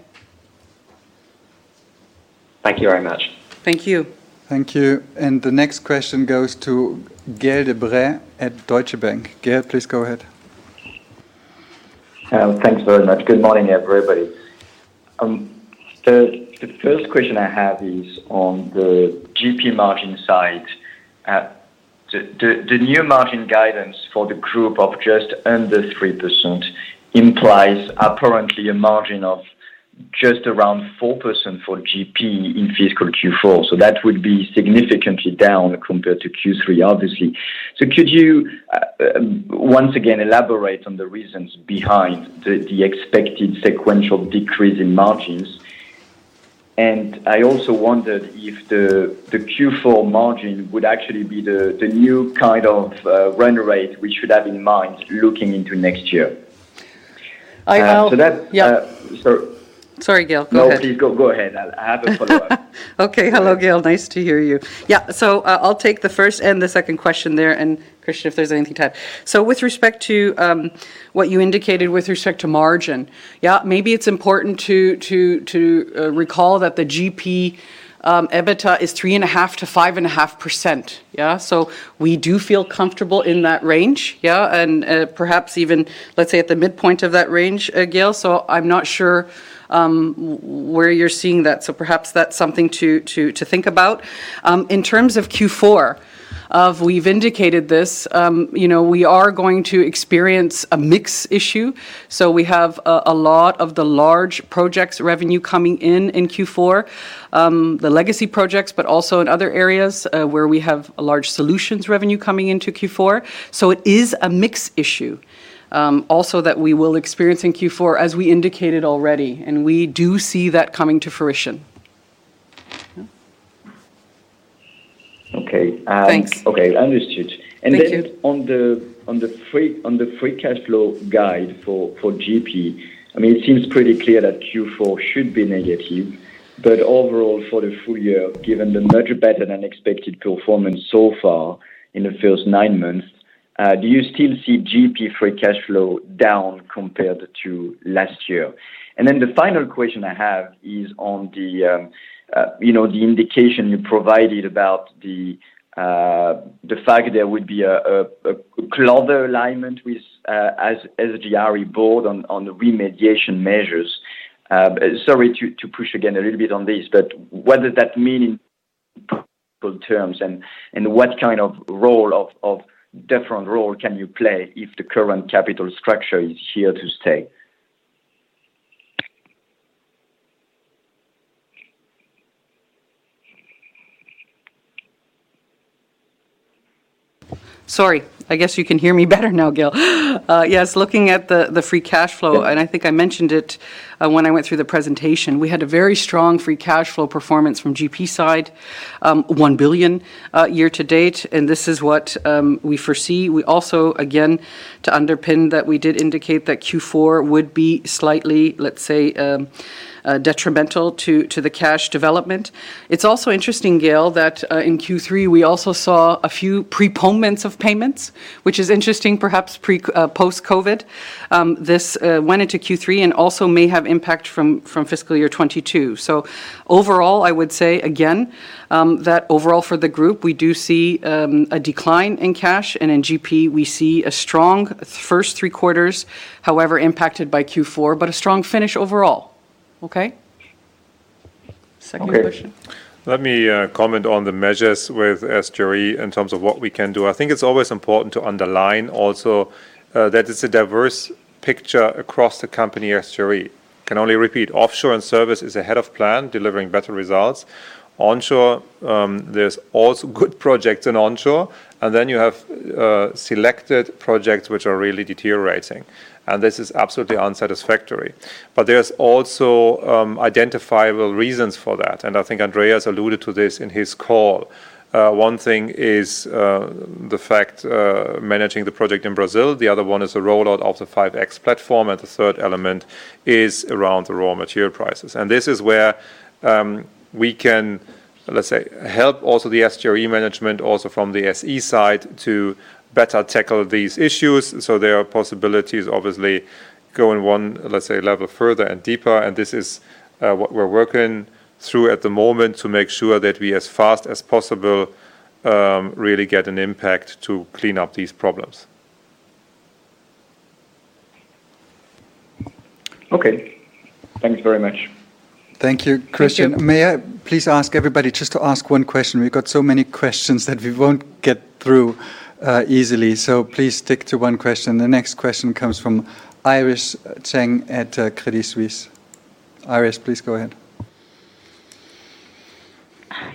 Thank you very much. Thank you. Thank you. The next question goes to Gael de-Bray at Deutsche Bank. Gael, please go ahead. Thanks very much. Good morning, everybody. The first question I have is on the GP margin side. The new margin guidance for the group of just under 3% implies apparently a margin of just around 4% for GP in fiscal Q4, that would be significantly down compared to Q3, obviously. Could you once again elaborate on the reasons behind the expected sequential decrease in margins? I also wondered if the Q4 margin would actually be the new kind of run rate we should have in mind looking into next year. I will- So that- Yeah. Sorry. Sorry, Gael. Go ahead. No, please go ahead. I have a follow-up. Hello, Gael. Nice to hear you. I'll take the first and the second question there, and Christian, if there is anything to add. With respect to what you indicated with respect to margin, maybe it is important to recall that the GP EBITDA is 3.5% to 5.5%. We do feel comfortable in that range. Perhaps even, let us say, at the midpoint of that range, Gael. I am not sure where you are seeing that, perhaps that is something to think about. In terms of Q4, we have indicated this, you know, we are going to experience a mix issue. We have a lot of the large projects revenue coming in in Q4. The legacy projects, but also in other areas where we have a large solutions revenue coming into Q4. It is a mix issue also that we will experience in Q4 as we indicated already, and we do see that coming to fruition. Okay. Thanks. Okay, understood. Thank you. On the free cash flow guide for GP, it seems pretty clear that Q4 should be negative, but overall, for the full year, given the much better than expected performance so far in the first 9 months, do you still see GP free cash flow down compared to last year? The final question I have is on the indication you provided about the fact there would be a closer alignment with SGRE board on the remediation measures. Sorry to push again a little bit on this, what does that mean in terms, and what kind of different role can you play if the current capital structure is here to stay? Sorry, I guess you can hear me better now, Gael. Looking at the free cash flow, and I think I mentioned it when I went through the presentation, we had a very strong free cash flow performance from GP side, 1 billion year-to-date, and this is what we foresee. We also, again, to underpin that, we did indicate that Q4 would be slightly, let's say, detrimental to the cash development. It's also interesting, Gael, that in Q3 we also saw a few preponements of payments, which is interesting, perhaps post-COVID. This went into Q3 and also may have impact from FY 2022. Overall, I would say, again, that overall for the group, we do see a decline in cash and in GP we see a strong first three quarters, however impacted by Q4, but a strong finish overall. Okay? Okay. Second question. Let me comment on the measures with SGRE in terms of what we can do. I think it's always important to underline also that it's a diverse picture across the company at SGRE. Can only repeat, offshore and service is ahead of plan, delivering better results. Onshore, there's also good projects in onshore, and then you have selected projects which are really deteriorating, and this is absolutely unsatisfactory. There's also identifiable reasons for that, and I think Andreas alluded to this in his call. One thing is the fact managing the project in Brazil, the other one is the rollout of the 5.X platform, and the third element is around the raw material prices. This is where we can, let's say, help also the SGRE management also from the SE side to better tackle these issues. There are possibilities, obviously, going one, let's say, level further and deeper, and this is what we're working through at the moment to make sure that we, as fast as possible, really get an impact to clean up these problems. Okay. Thanks very much. Thank you, Christian. Thank you. May I please ask everybody just to ask one question? We've got so many questions that we won't get through easily, so please stick to one question. The next question comes from Iris Cheng at Crédit Suisse. Iris, please go ahead.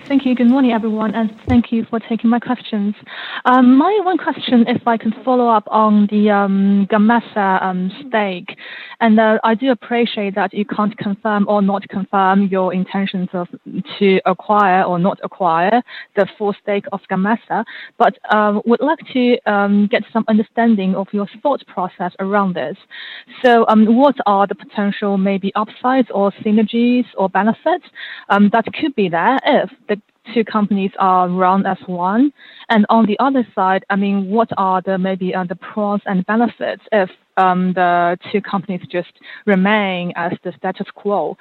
Thank you. Good morning, everyone, and thank you for taking my questions. My one question, if I can follow up on the Gamesa stake, and I do appreciate that you can't confirm or not confirm your intentions to acquire or not acquire the full stake of Gamesa, but would like to get some understanding of your thought process around this. What are the potential maybe upsides or synergies or benefits that could be there if the two companies are run as one? On the other side, what are maybe the pros and benefits if the two companies just remain as the status quo.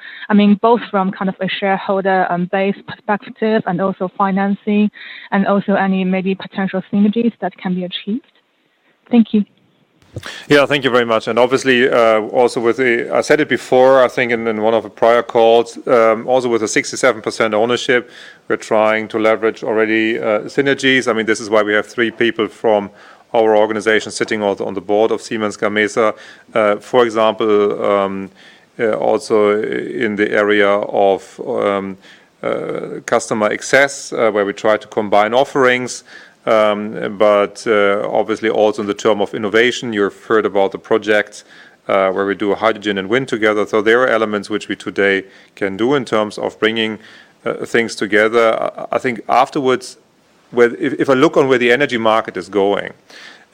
Both from a shareholder-based perspective and also financing, and also any maybe potential synergies that can be achieved. Thank you. Yeah, thank you very much. Obviously, I said it before, I think in one of the prior calls, also with the 67% ownership, we're trying to leverage synergies already. This is why we have three people from our organization sitting on the board of Siemens Gamesa. For example, also in the area of customer access, where we try to combine offerings. Obviously, also in the term of innovation, you've heard about the projects where we do hydrogen and wind together. They are elements which we today can do in terms of bringing things together. I think afterwards, if I look on where the energy market is going,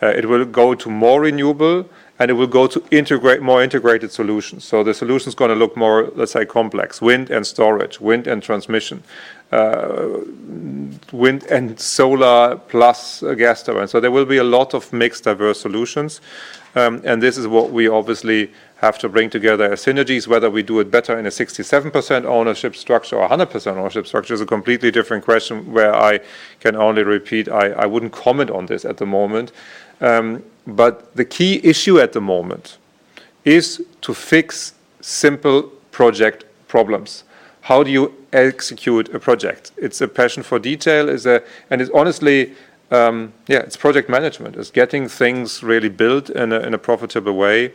it will go to more renewable, and it will go to more integrated solutions. The solution's going to look more, let's say, complex. Wind and storage, wind and transmission, wind and solar plus gas turbines. There will be a lot of mixed, diverse solutions. This is what we obviously have to bring together as synergies, whether we do it better in a 67% ownership structure or 100% ownership structure is a completely different question, where I can only repeat, I wouldn't comment on this at the moment. The key issue at the moment is to fix simple project problems. How do you execute a project? It's a passion for detail, and it's honestly project management. It's getting things really built in a profitable way.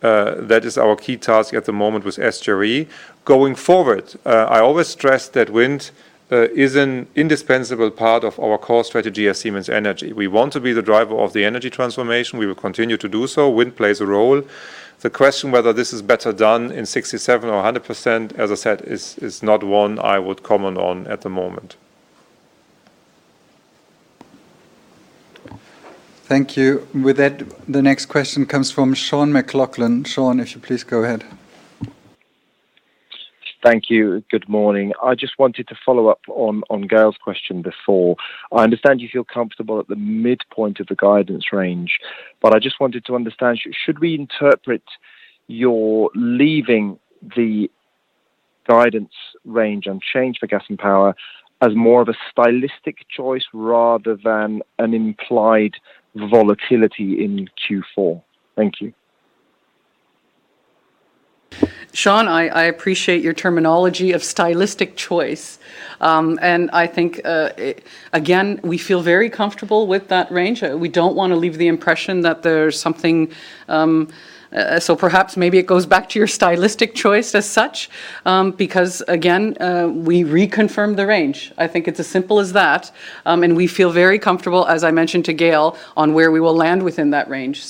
That is our key task at the moment with SGRE. Going forward, I always stress that wind is an indispensable part of our core strategy as Siemens Energy. We want to be the driver of the energy transformation. We will continue to do so. Wind plays a role. The question whether this is better done in 67% or 100%, as I said, is not one I would comment on at the moment. Thank you. With that, the next question comes from Sean McLoughlin. Sean, if you please go ahead. Thank you. Good morning. I just wanted to follow up on Gael's question before. I understand you feel comfortable at the midpoint of the guidance range, but I just wanted to understand. Should we interpret your leaving the guidance range unchanged for Gas and Power as more of a stylistic choice rather than an implied volatility in Q4? Thank you. Sean, I appreciate your terminology of stylistic choice. I think, again, we feel very comfortable with that range. We don't want to leave the impression that there's something, so perhaps, maybe it goes back to your stylistic choice as such, because, again, we reconfirm the range. I think it's as simple as that, and we feel very comfortable, as I mentioned to Gael, on where we will land within that range.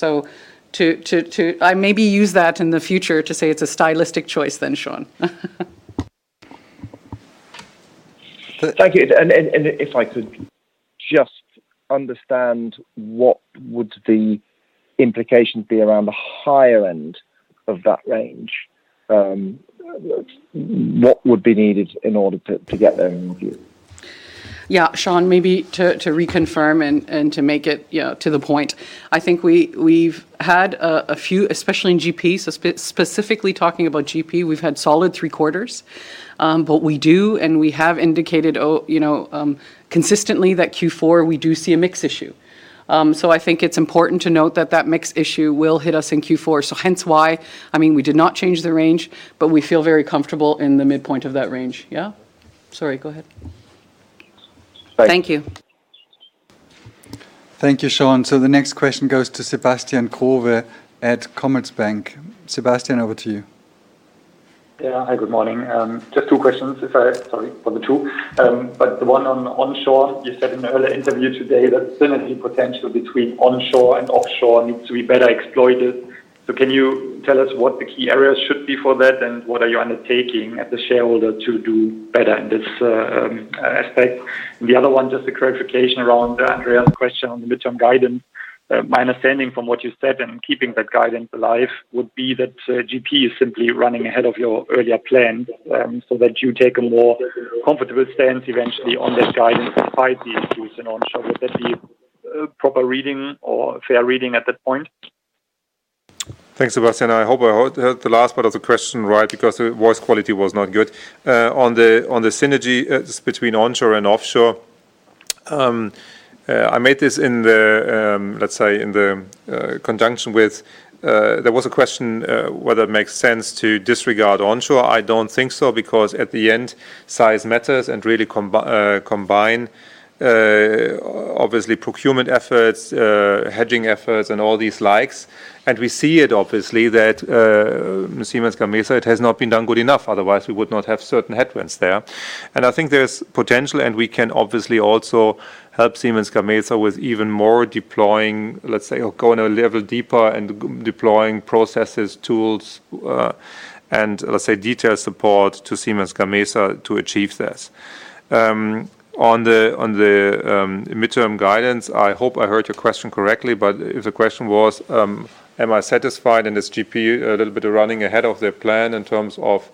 I maybe use that in the future to say it's a stylistic choice then, Sean. Thank you. If I could just understand what would the implications be around the higher end of that range? What would be needed in order to get there, in your view? Sean, maybe to reconfirm and to make it to the point. I think, we've had a few, especially in GP, so specifically talking about GP, we've had solid three quarters. What we do and we have indicated, you know, consistently that Q4, we do see a mix issue. I think, it's important to note that that mix issue will hit us in Q4. Hence why, we did not change the range, but we feel very comfortable in the midpoint of that range. Yeah. Sorry, go ahead. Right. Thank you. Thank you, Sean. The next question goes to Sebastian Growe at Commerzbank. Sebastian, over to you. Yeah. Hi, good morning. Just two questions if I, sorry for the two. The one on onshore, you said in an earlier interview today that synergy potential between onshore and offshore needs to be better exploited. Can you tell us what the key areas should be for that, and what are you undertaking as the shareholder to do better in this aspect? The other one, just a clarification around Andreas' question on the midterm guidance. My understanding from what you said in keeping that guidance alive would be that GP is simply running ahead of your earlier plan, so that you take a more comfortable stance eventually on that guidance despite the issues in onshore. Would that be a proper reading or a fair reading at that point? Thanks, Sebastian. I hope I heard the last part of the question right because the voice quality was not good. On the synergy between onshore and offshore. I made this in conjunction with, there was a question whether it makes sense to disregard onshore. I don't think so, because at the end, size matters and really combine obviously procurement efforts, hedging efforts, and all these likes. We see it obviously that Siemens Gamesa, it has not been done good enough, otherwise we would not have certain headwinds there. I think there's potential, and we can obviously also help Siemens Gamesa with even more deploying, let's say, or going a level deeper and deploying processes, tools, and let's say detailed support to Siemens Gamesa to achieve this. On the midterm guidance, I hope I heard your question correctly, but if the question was, am I satisfied in this GP a little bit of running ahead of their plan in terms of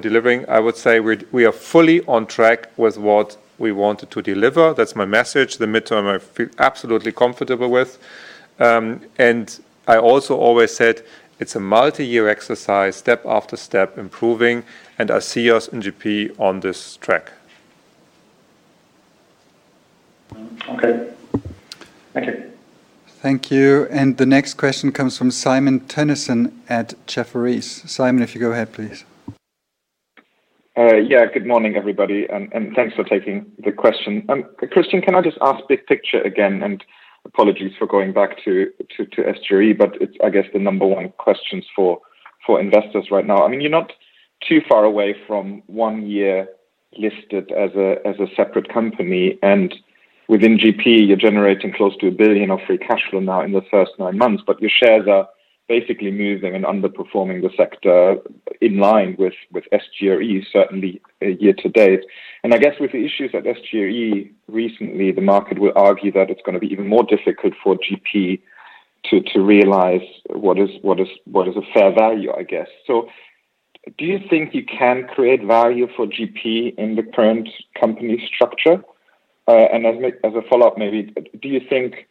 delivering? I would say we are fully on track with what we wanted to deliver. That's my message. The midterm, I feel absolutely comfortable with. I also always said it's a multi-year exercise, step after step improving, and I see us in GP on this track. Thank you. The next question comes from Simon Toennessen at Jefferies. Simon, if you go ahead, please. Yeah. Good morning, everybody, and thanks for taking the question. Christian, can I just ask big picture again? Apologies for going back to SGRE, but it's I guess the number one questions for investors right now. You're not too far away from 1 year listed as a separate company. Within GP, you're generating close to 1 billion of free cash flow now in the first 9 months. Your shares are basically moving and underperforming the sector in line with SGRE, certainly year-to-date. I guess with the issues at SGRE recently, the market will argue that it's going to be even more difficult for GP to realize what is a fair value, I guess. Do you think you can create value for GP in the current company structure? As a follow-up maybe, do you think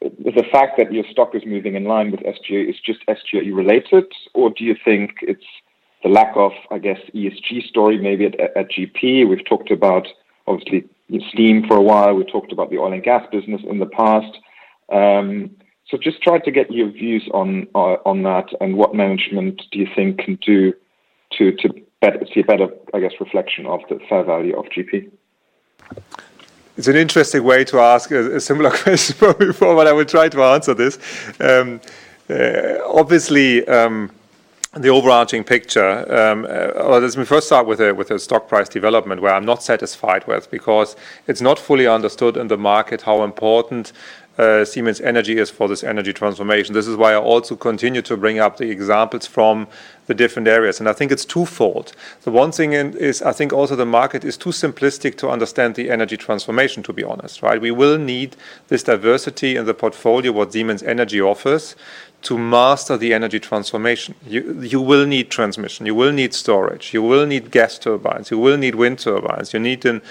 the fact that your stock is moving in line with SGRE is just SGRE related, or do you think it's the lack of, I guess, ESG story maybe at GP? We've talked about, obviously, Steam for a while. We've talked about the oil and gas business in the past. Just try to get your views on that and what management do you think can do to see a better, I guess, reflection of the fair value of GP? It's an interesting way to ask a similar question from before, but I will try to answer this. Well, let me first start with the stock price development, where I'm not satisfied with, because it's not fully understood in the market how important Siemens Energy is for this energy transformation. This is why I also continue to bring up the examples from the different areas, and I think it's twofold. The one thing is I think also the market is too simplistic to understand the energy transformation, to be honest. Right? We will need this diversity in the portfolio, what Siemens Energy offers, to master the energy transformation. You will need transmission. You will need storage. You will need gas turbines. You will need wind turbines. You need an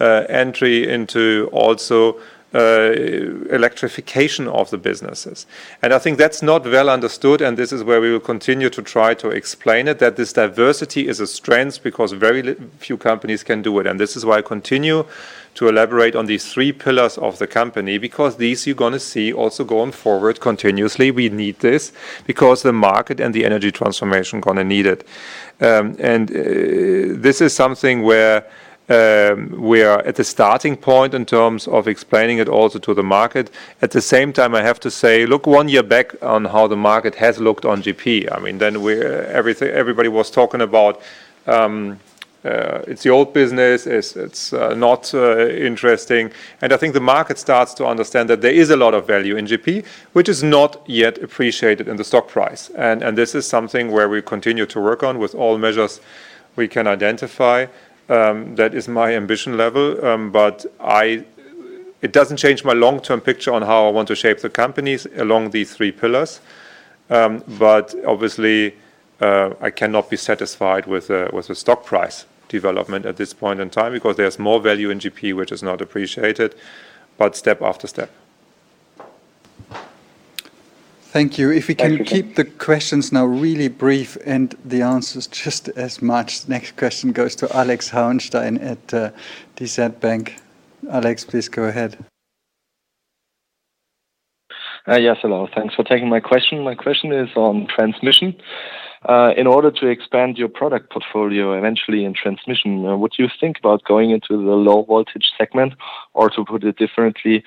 entry into also electrification of the businesses. I think that's not well understood, and this is where we will continue to try to explain it, that this diversity is a strength because very few companies can do it. This is why I continue to elaborate on these three pillars of the company, because these you're going to see also going forward continuously. We need this because the market and the energy transformation going to need it. This is something where we are at the starting point in terms of explaining it also to the market. At the same time, I have to say, look 1 year back on how the market has looked on GP. Everybody was talking about it's the old business, it's not interesting. I think the market starts to understand that there is a lot of value in GP, which is not yet appreciated in the stock price. This is something where we continue to work on with all measures we can identify. That is my ambition level. It doesn't change my long-term picture on how I want to shape the companies along these three pillars. Obviously, I cannot be satisfied with the stock price development at this point in time because there's more value in GP which is not appreciated, but step after step. Thank you. If we can keep the questions now really brief and the answers just as much. Next question goes to Alexander Hauenstein at DZ Bank. Alex, please go ahead. Yes, hello. Thanks for taking my question. My question is on transmission. In order to expand your product portfolio eventually in transmission, would you think about going into the low voltage segment? To put it differently,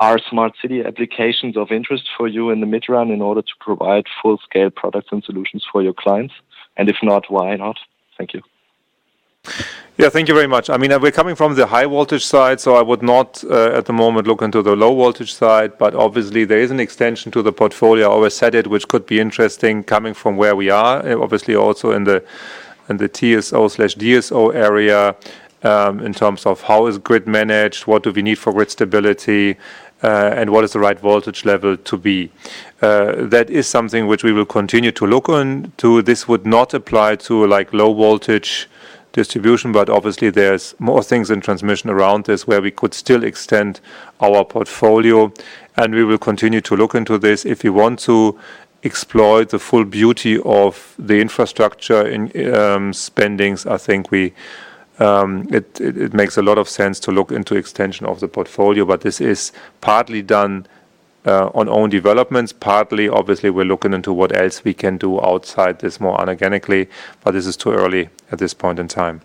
are smart city applications of interest for you in the mid-run in order to provide full-scale products and solutions for your clients? If not, why not? Thank you. Yeah, thank you very much. We are coming from the high voltage side, so I would not, at the moment, look into the low voltage side. Obviously, there is an extension to the portfolio, I always said it, which could be interesting coming from where we are. Obviously, also in the TSO/DSO area, in terms of how is grid managed, what do we need for grid stability, and what is the right voltage level to be? That is something which we will continue to look into. This would not apply to low voltage distribution, but obviously there is more things in transmission around this where we could still extend our portfolio, and we will continue to look into this. If we want to explore the full beauty of the infrastructure in spendings, I think it makes a lot of sense to look into extension of the portfolio. This is partly done on own developments, partly obviously we're looking into what else we can do outside this more inorganically. This is too early at this point in time.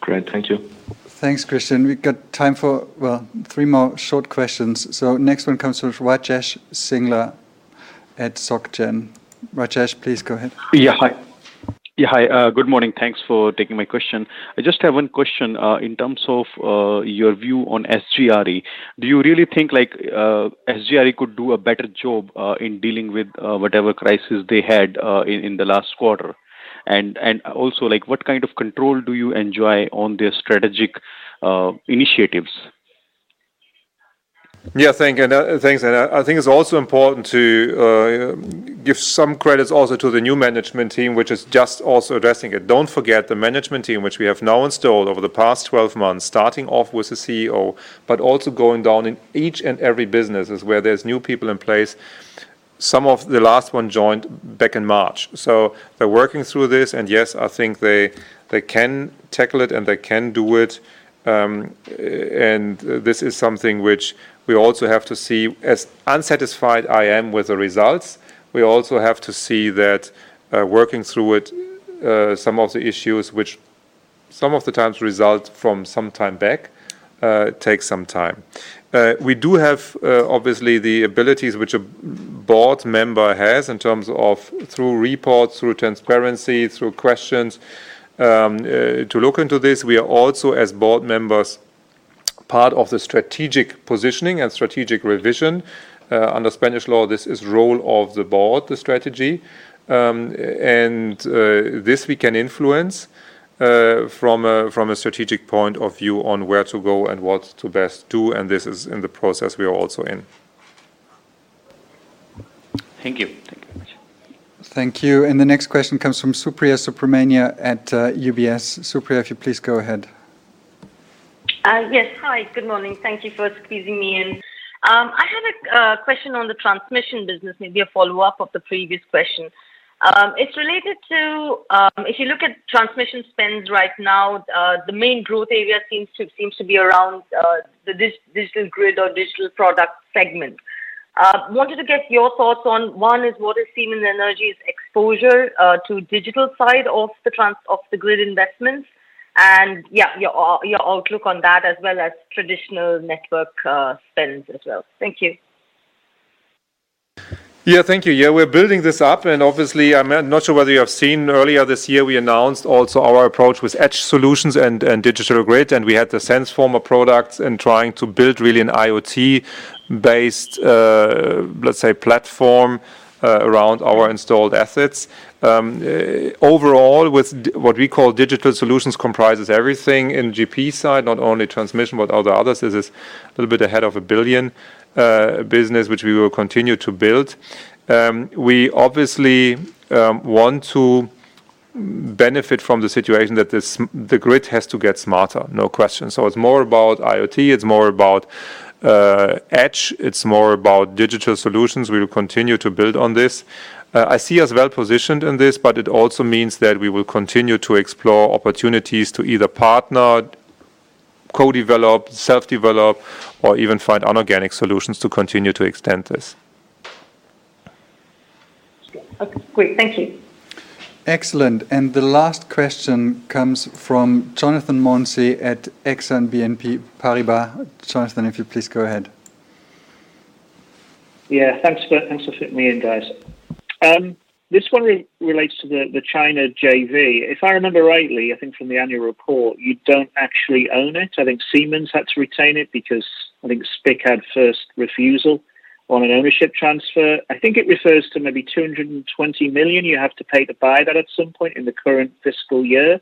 Great. Thank you. Thanks, Christian. We've got time for, well, three more short questions. Next one comes from Rajesh Singla at SocGen. Rajesh, please go ahead. Yeah, hi. Good morning. Thanks for taking my question. I just have one question in terms of your view on SGRE. Do you really think like SGRE could do a better job in dealing with whatever crisis they had in the last quarter? Also, what kind of control do you enjoy on their strategic initiatives? Yeah. Thanks. I think it's also important to give some credits also to the new management team, which is just also addressing it. Don't forget the management team, which we have now installed over the past 12 months, starting off with the CEO, but also going down in each and every business is where there's new people in place. Some of the last ones joined back in March. They're working through this and yes, I think they can tackle it and they can do it. This is something which we also have to see, as unsatisfied I am with the results, we also have to see that working through it, some of the issues which some of the times result from some time back, take some time. We do have, obviously, the abilities which a board member has in terms of through reports, through transparency, through questions, to look into this. We are also, as board members, part of the strategic positioning and strategic revision. Under Spanish law, this is role of the board, the strategy. This we can influence, from a strategic point of view on where to go and what to best do, and this is in the process we are also in. Thank you very much. Thank you. The next question comes from Supriya Subramanian at UBS. Supriya, if you please go ahead. Yes. Hi, good morning. Thank you for squeezing me in. I had a question on the transmission business, maybe a follow-up of the previous question. It's related to if you look at transmission spends right now, the main growth area seems to be around the digital grid or digital product segment. I wanted to get your thoughts on, one is what is Siemens Energy's exposure to digital side of the grid investments and your outlook on that as well as traditional network spends as well. Thank you. Thank you. We're building this up and obviously, I'm not sure whether you have seen earlier this year, we announced also our approach with edge solutions and digital grid, and we had the Sensformer products and trying to build really an IoT-based, let's say, platform around our installed assets. Overall, with what we call digital solutions comprises everything in GP side, not only transmission, but all the others. This is a little bit ahead of 1 billion business, which we will continue to build. We obviously want to benefit from the situation that the grid has to get smarter. No question. It's more about IoT, it's more about edge, it's more about digital solutions. We will continue to build on this. I see us well positioned in this, but it also means that we will continue to explore opportunities to either partner, co-develop, self-develop, or even find inorganic solutions to continue to extend this. Okay, great. Thank you. Excellent. The last question comes from Jonathan Mounsey at Exane BNP Paribas. Jonathan, if you please go ahead. Yeah, thanks for fitting me in, guys. This one relates to the China JV. If I remember rightly, I think from the annual report, you don't actually own it. I think Siemens had to retain it because I think SPIC had first refusal on an ownership transfer. I think it refers to maybe 220 million you have to pay to buy that at some point in the current fiscal year.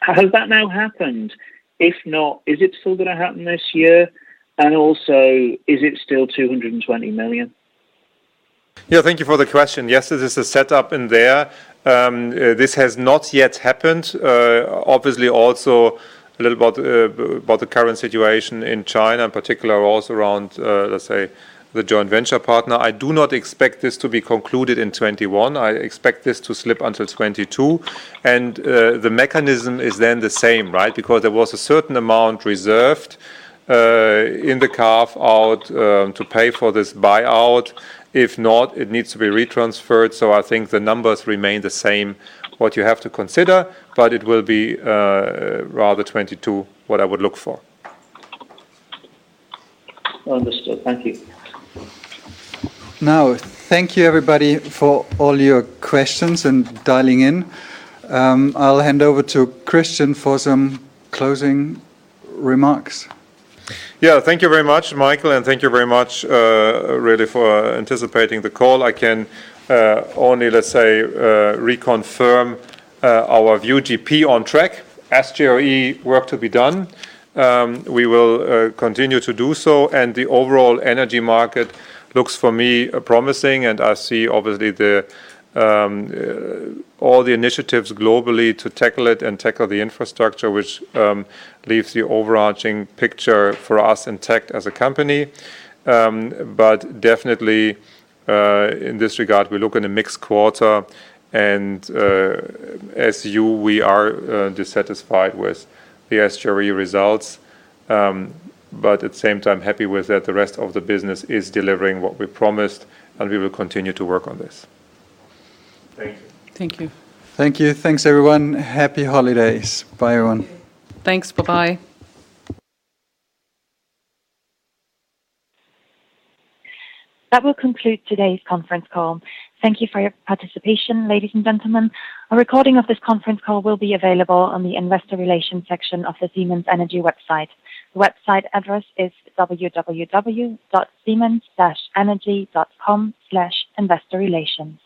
Has that now happened? If not, is it still going to happen this year? Also, is it still 220 million? Yeah, thank you for the question. Yes, this is set up in there. This has not yet happened. Obviously, also a little about the current situation in China, in particular, also around, let's say, the joint venture partner. I do not expect this to be concluded in 2021. I expect this to slip until 2022. The mechanism is then the same, right? Because there was a certain amount reserved in the carve-out to pay for this buyout. If not, it needs to be retransferred. I think the numbers remain the same, what you have to consider, but it will be rather 2022, what I would look for. Understood. Thank you. Now, thank you everybody for all your questions and dialing in. I'll hand over to Christian for some closing remarks. Thank you very much, Michael, and thank you very much, really for anticipating the call. I can only reconfirm our view GP on track. SGRE work to be done. We will continue to do so. The overall energy market looks for me promising. I see, obviously, all the initiatives globally to tackle it and tackle the infrastructure which leaves the overarching picture for us intact as a company. Definitely, in this regard, we look in a mixed quarter and, as you, we are dissatisfied with the SGRE results. At the same time, happy with that the rest of the business is delivering what we promised. We will continue to work on this. Thank you. Thank you. Thank you. Thanks, everyone. Happy holidays. Bye, everyone. Thanks. Bye-bye. That will conclude today's conference call. Thank you for your participation, ladies and gentlemen. A recording of this conference call will be available on the investor relations section of the Siemens Energy website. The website address is www.siemens-energy.com/investorrelations.